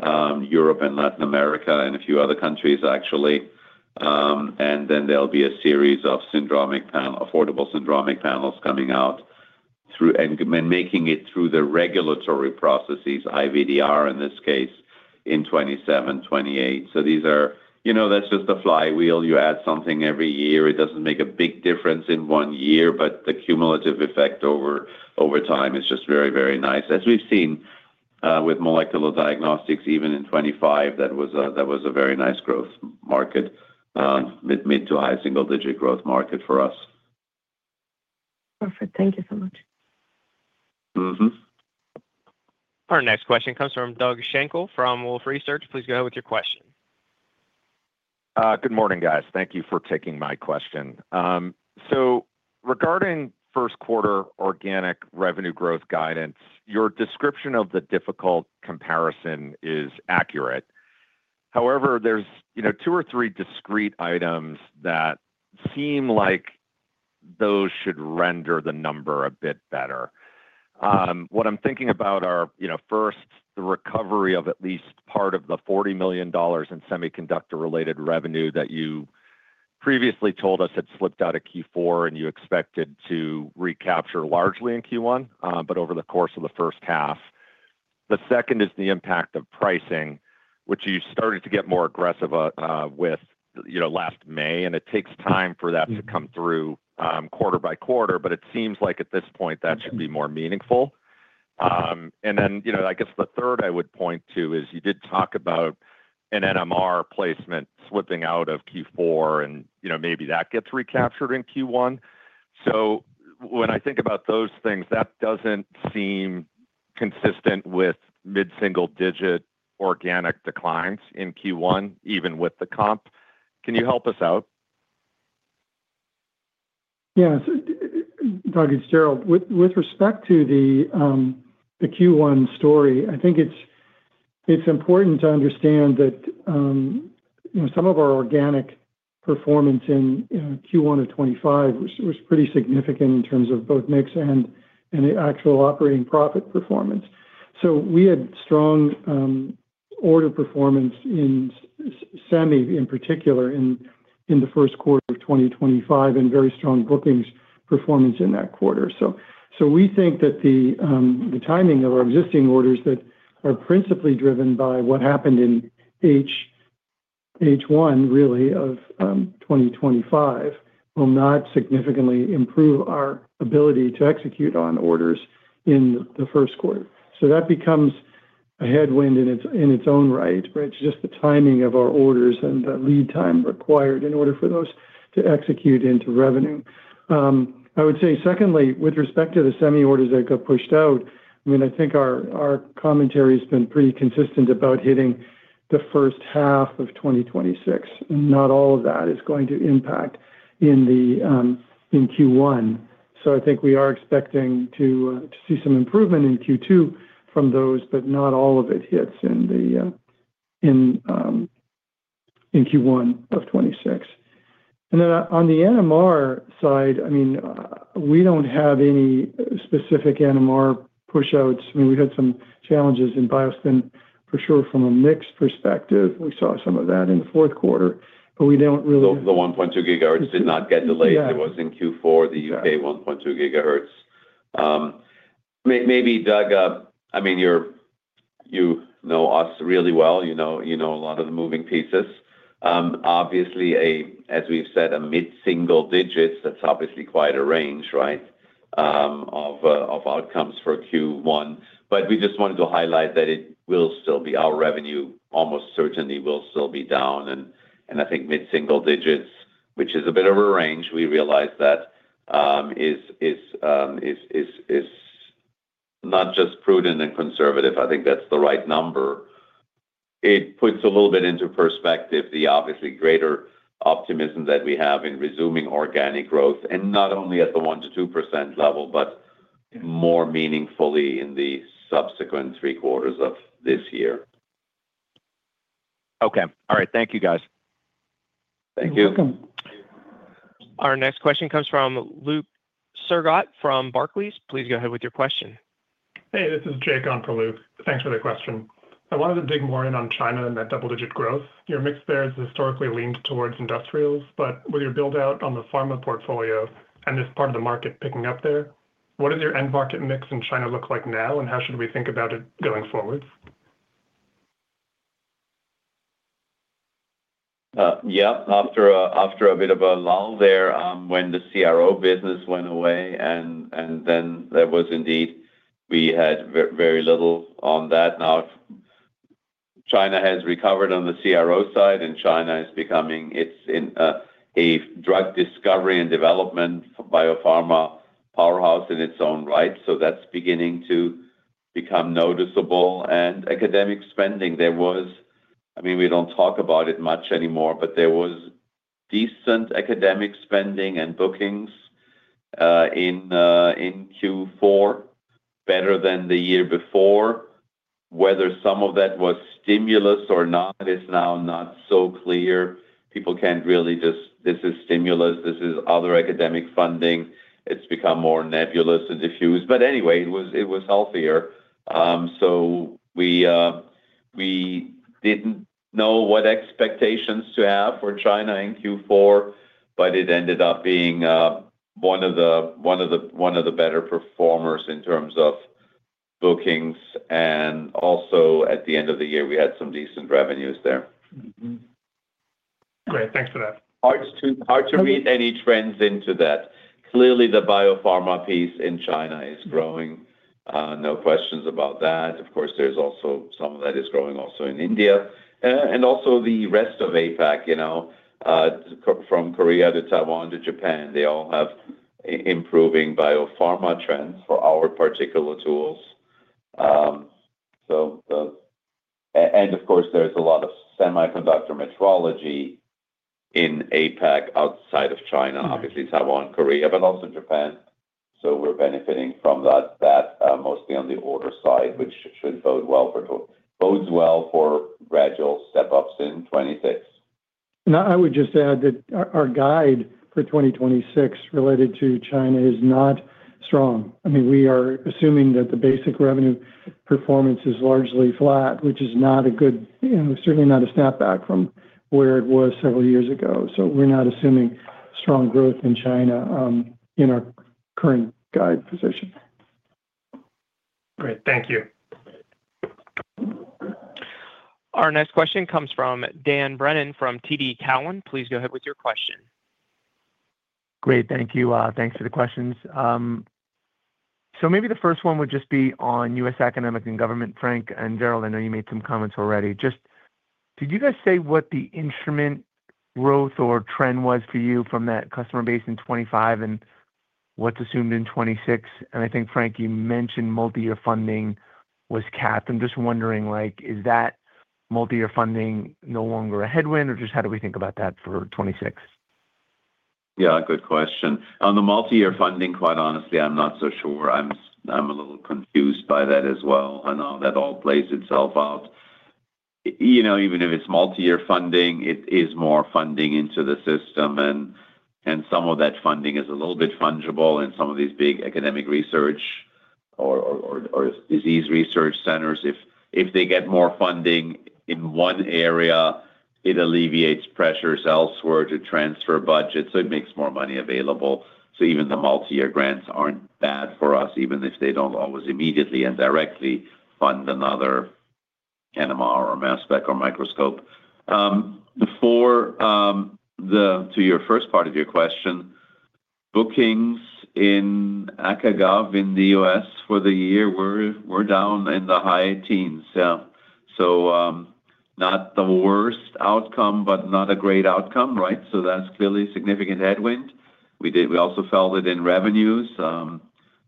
Europe and Latin America, and a few other countries, actually. And then there'll be a series of syndromic panel, affordable syndromic panels coming out through and making it through the regulatory processes, IVDR, in this case, in 2027, 2028. So these are, you know, that's just a flywheel. You add something every year. It doesn't make a big difference in one year, but the cumulative effect over time is just very, very nice. As we've seen with molecular diagnostics, even in 2025, that was a very nice growth market, mid-to-high single-digit growth market for us. Perfect. Thank you so much. Mm-hmm. Our next question comes from Doug Schenkel from Wolfe Research. Please go ahead with your question. Good morning, guys. Thank you for taking my question. Regarding first quarter organic revenue growth guidance, your description of the difficult comparison is accurate. However, there's, you know, two or three discrete items that seem like those should render the number a bit better. Mm-hmm. What I'm thinking about are, you know, first, the recovery of at least part of the $40 million in semiconductor-related revenue that you previously told us had slipped out of Q4, and you expected to recapture largely in Q1, but over the course of the first half. The second is the impact of pricing, which you started to get more aggressive with, you know, last May, and it takes time for that- Mm. -to come through quarter by quarter. But it seems like at this point, that should be more meaningful. And then, you know, I guess the third I would point to is you did talk about an NMR placement slipping out of Q4, and, you know, maybe that gets recaptured in Q1. So when I think about those things, that doesn't seem consistent with mid-single-digit organic declines in Q1, even with the comp. Can you help us out? Yes. Doug, it's Gerald. With respect to the Q1 story, I think it's important to understand that, you know, some of our organic performance in Q1 of 2025 was pretty significant in terms of both mix and the actual operating profit performance. So we had strong order performance in semi, in particular, in the first quarter of 2025, and very strong bookings performance in that quarter. So we think that the timing of our existing orders that are principally driven by what happened in H1, really, of 2025, will not significantly improve our ability to execute on orders in the first quarter. So that becomes a headwind in its, in its own right, but it's just the timing of our orders and the lead time required in order for those to execute into revenue. I would say secondly, with respect to the semi orders that got pushed out, I mean, I think our, our commentary has been pretty consistent about hitting the first half of 2026. Not all of that is going to impact in the, in Q1. So I think we are expecting to, to see some improvement in Q2 from those, but not all of it hits in the, in, in Q1 of 2026. And then on the NMR side, I mean, we don't have any specific NMR push-outs. I mean, we had some challenges in BioSpin for sure, from a mix perspective. We saw some of that in the fourth quarter, but we don't really. The 1.2 GHz did not get delayed. Yeah. It was in Q4, the U.K. 1.2 GHz. Maybe, Doug, I mean, you're you know us really well. You know, you know a lot of the moving pieces. Obviously, as we've said, a mid single digits, that's obviously quite a range, right, of outcomes for Q1. But we just wanted to highlight that it will still be our revenue, almost certainly will still be down. I think mid single digits, which is a bit of a range, we realize that, is not just prudent and conservative. I think that's the right number. It puts a little bit into perspective the obviously greater optimism that we have in resuming organic growth, and not only at the 1%-2% level, but more meaningfully in the subsequent three quarters of this year. Okay. All right. Thank you, guys. Thank you. You're welcome. Our next question comes from Luke Sergott from Barclays. Please go ahead with your question. Hey, this is Jake on for Luke. Thanks for the question. .I wanted to dig more in on China and that double-digit growth. Your mix there has historically leaned towards industrials, but with your build-out on the pharma portfolio and this part of the market picking up there, what does your end market mix in China look like now, and how should we think about it going forward? Yeah, after a bit of a lull there, when the CRO business went away, and then there was indeed, we had very little on that. Now, China has recovered on the CRO side, and China is becoming, it's in a drug discovery and development biopharma powerhouse in its own right. So that's beginning to become noticeable. And academic spending, there was... I mean, we don't talk about it much anymore, but there was decent academic spending and bookings in Q4, better than the year before. Whether some of that was stimulus or not is now not so clear. People can't really just, this is stimulus, this is other academic funding. It's become more nebulous and diffuse, but anyway, it was healthier. So we didn't know what expectations to have for China in Q4, but it ended up being one of the better performers in terms of bookings, and also at the end of the year, we had some decent revenues there. Mm-hmm. Great. Thanks for that. Hard to read any trends into that. Clearly, the biopharma piece in China is growing, no questions about that. Of course, there's also some of that is growing also in India, and also the rest of APAC, you know, from Korea to Taiwan to Japan. They all have improving biopharma trends for our particular tools. And of course, there's a lot of semiconductor metrology in APAC, outside of China, obviously, Taiwan, Korea, but also Japan. So we're benefiting from that, mostly on the order side, which should bode well for gradual step-ups in 2026. I would just add that our guide for 2026 related to China is not strong. I mean, we are assuming that the basic revenue performance is largely flat, which is not a good, and certainly not a snapback from where it was several years ago. So we're not assuming strong growth in China, in our current guide position. Great. Thank you. Our next question comes from Dan Brennan, from TD Cowen. Please go ahead with your question. Great, thank you. Thanks for the questions. So maybe the first one would just be on U.S. economics and government. Frank and Gerald, I know you made some comments already. Just did you guys say what the instrument growth or trend was for you from that customer base in 2025 and what's assumed in 2026? And I think, Frank, you mentioned multiyear funding was capped. I'm just wondering, like, is that multi-year funding no longer a headwind, or just how do we think about that for 2026? Yeah, good question. On the multiyear funding, quite honestly, I'm not so sure. I'm a little confused by that as well, on how that all plays itself out. You know, even if it's multiyear funding, it is more funding into the system, and some of that funding is a little bit fungible in some of these big academic research or disease research centers. If they get more funding in one area, it alleviates pressures elsewhere to transfer budgets, so it makes more money available. So even the multiyear grants aren't bad for us, even if they don't always immediately and directly fund another NMR or mass spec or microscope. Before, to your first part of your question, bookings in ACA Gov in the US for the year were down in the high teens. Yeah, so, not the worst outcome, but not a great outcome, right? So that's clearly a significant headwind. We also felt it in revenues,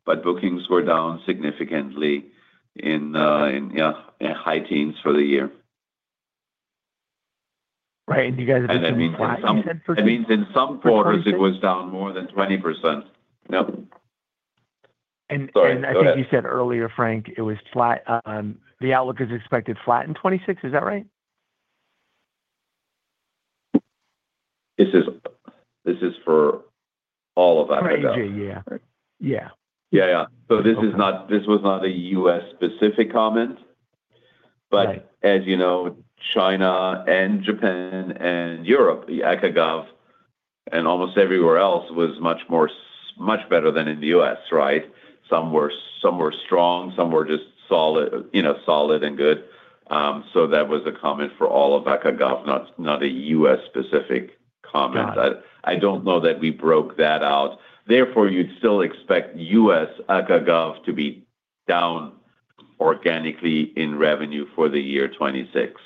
but bookings were down significantly in high teens for the year. Right, and you guys- That means in some- You said- It means in some quarters- For quarters? It was down more than 20%. Yep. And, and- Sorry. Go ahead. I think you said earlier, Frank, it was flat on the outlook is expected flat in 2026. Is that right? This is for all of ACA Gov. ACA, yeah. Yeah. Yeah, yeah. Okay. This was not a U.S.-specific comment. Right. But as you know, China and Japan and Europe, the ACA Gov, and almost everywhere else, was much more much better than in the U.S., right? Some were, some were strong, some were just solid, you know, solid and good. So that was a comment for all of ACA Gov, not, not a U.S.-specific comment. Got it. I don't know that we broke that out. Therefore, you'd still expect U.S. ACA Gov to be down organically in revenue for the year 2026.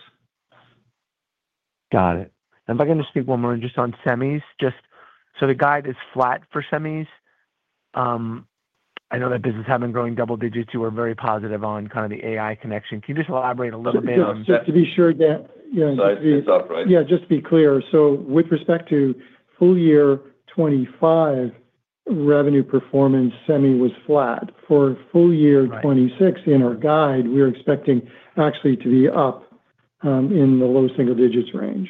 Got it. And if I can just speak one more just on semis, just so the guide is flat for semis. I know that business have been growing double digits. You are very positive on kind of the AI connection. Can you just elaborate a little bit on that? Just to be sure that, you know, just to be- Sorry. That's upright. Yeah, just to be clear. With respect to full year 2025 revenue performance, semi was flat. Right. For full year 2026, in our guide, we are expecting actually to be up in the low single digits range.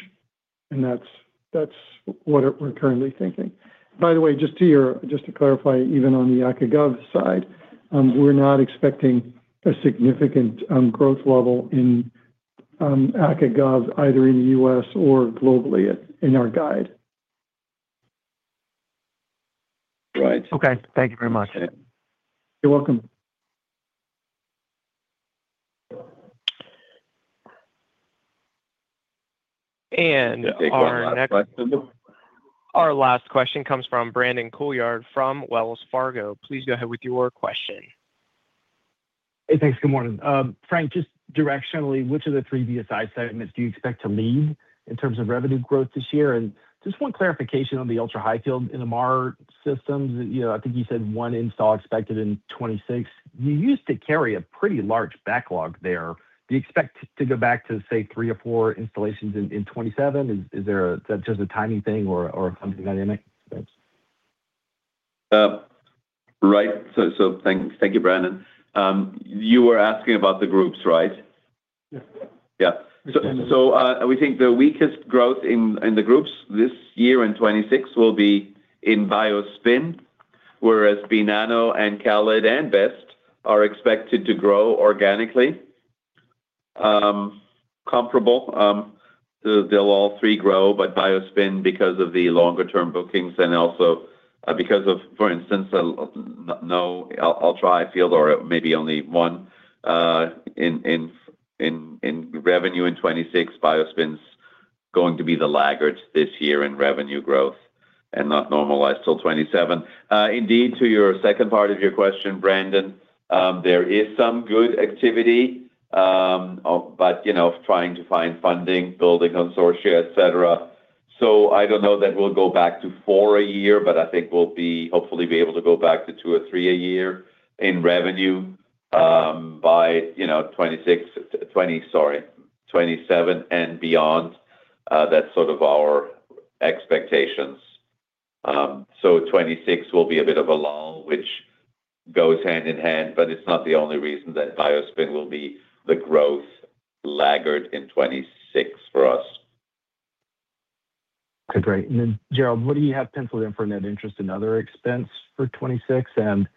That's what we're currently thinking. By the way, just to clarify, even on the BSI Gov side, we're not expecting a significant growth level in BSI Gov, either in the U.S. or globally in our guide. Right. Okay, thank you very much. You're welcome. Our next question, our last question comes from Brandon Couillard from Wells Fargo. Please go ahead with your question. Hey, thanks. Good morning. Frank, just directionally, which of the three BSI segments do you expect to lead in terms of revenue growth this year? And just one clarification on the ultrahigh field MR systems. You know, I think you said 1 install expected in 2026. You used to carry a pretty large backlog there. Do you expect to go back to, say, three or four installations in 2027? Is there just a timing thing or something dynamic? Thanks. Right. So, thank you, Brandon. You were asking about the groups, right? Yes. Yeah. So, so, we think the weakest growth in, in the groups this year in 2026 will be in BioSpin, whereas Nano and CALID and BEST are expected to grow organically. Comparable, they'll all three grow, but BioSpin because of the longer term bookings and also because of, for instance, no ultra-high field or maybe only one in revenue in 2026. BioSpin's going to be the laggard this year in revenue growth and not normalized till 2027. Indeed, to your second part of your question, Brandon, there is some good activity, but, you know, trying to find funding, building consortia, et cetera. So I don't know that we'll go back to four a year, but I think we'll be, hopefully be able to go back to two or three a year in revenue, by, you know, 2026, 20, sorry, 2027 and beyond. That's sort of our expectations. So 2026 will be a bit of a lull, which goes hand in hand, but it's not the only reason that BioSpin will be the growth laggard in 2026 for us. Okay, great. And then, Gerald, what do you have penciled in for net interest and other expense for 2026? And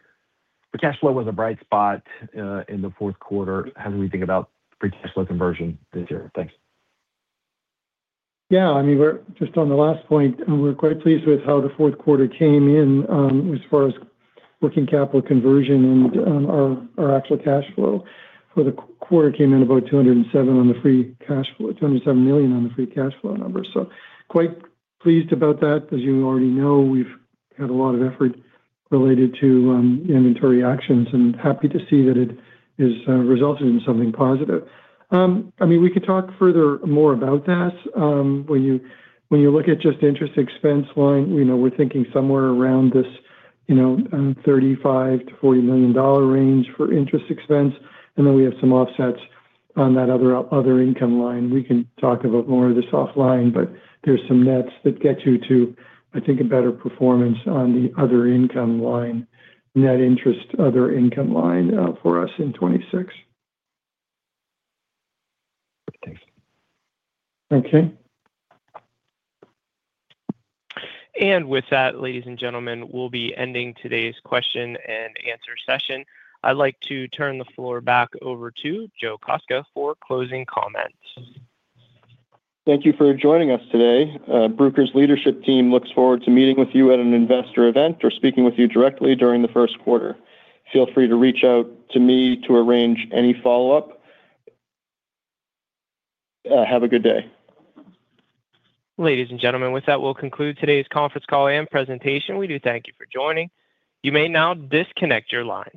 the cash flow was a bright spot in the fourth quarter. How do we think about free cash flow conversion this year? Thanks. Yeah, I mean, we're just on the last point, and we're quite pleased with how the fourth quarter came in, as far as working capital conversion and our actual cash flow for the quarter came in about 207 on the free cash flow, $207 million on the free cash flow number. So quite pleased about that. As you already know, we've had a lot of effort related to inventory actions, and happy to see that it is resulting in something positive. I mean, we could talk further more about that. When you look at just interest expense line, you know, we're thinking somewhere around this, you know, $35 million-$40 million range for interest expense, and then we have some offsets on that other income line. We can talk about more of this offline, but there's some nets that get you to, I think, a better performance on the other income line, net interest, other income line, for us in 2026. Thanks. Okay. With that, ladies and gentlemen, we'll be ending today's question and answer session. I'd like to turn the floor back over to Joe Kostka for closing comments. Thank you for joining us today. Bruker's leadership team looks forward to meeting with you at an investor event or speaking with you directly during the first quarter. Feel free to reach out to me to arrange any follow-up. Have a good day. Ladies and gentlemen, with that, we'll conclude today's conference call and presentation. We do thank you for joining. You may now disconnect your lines.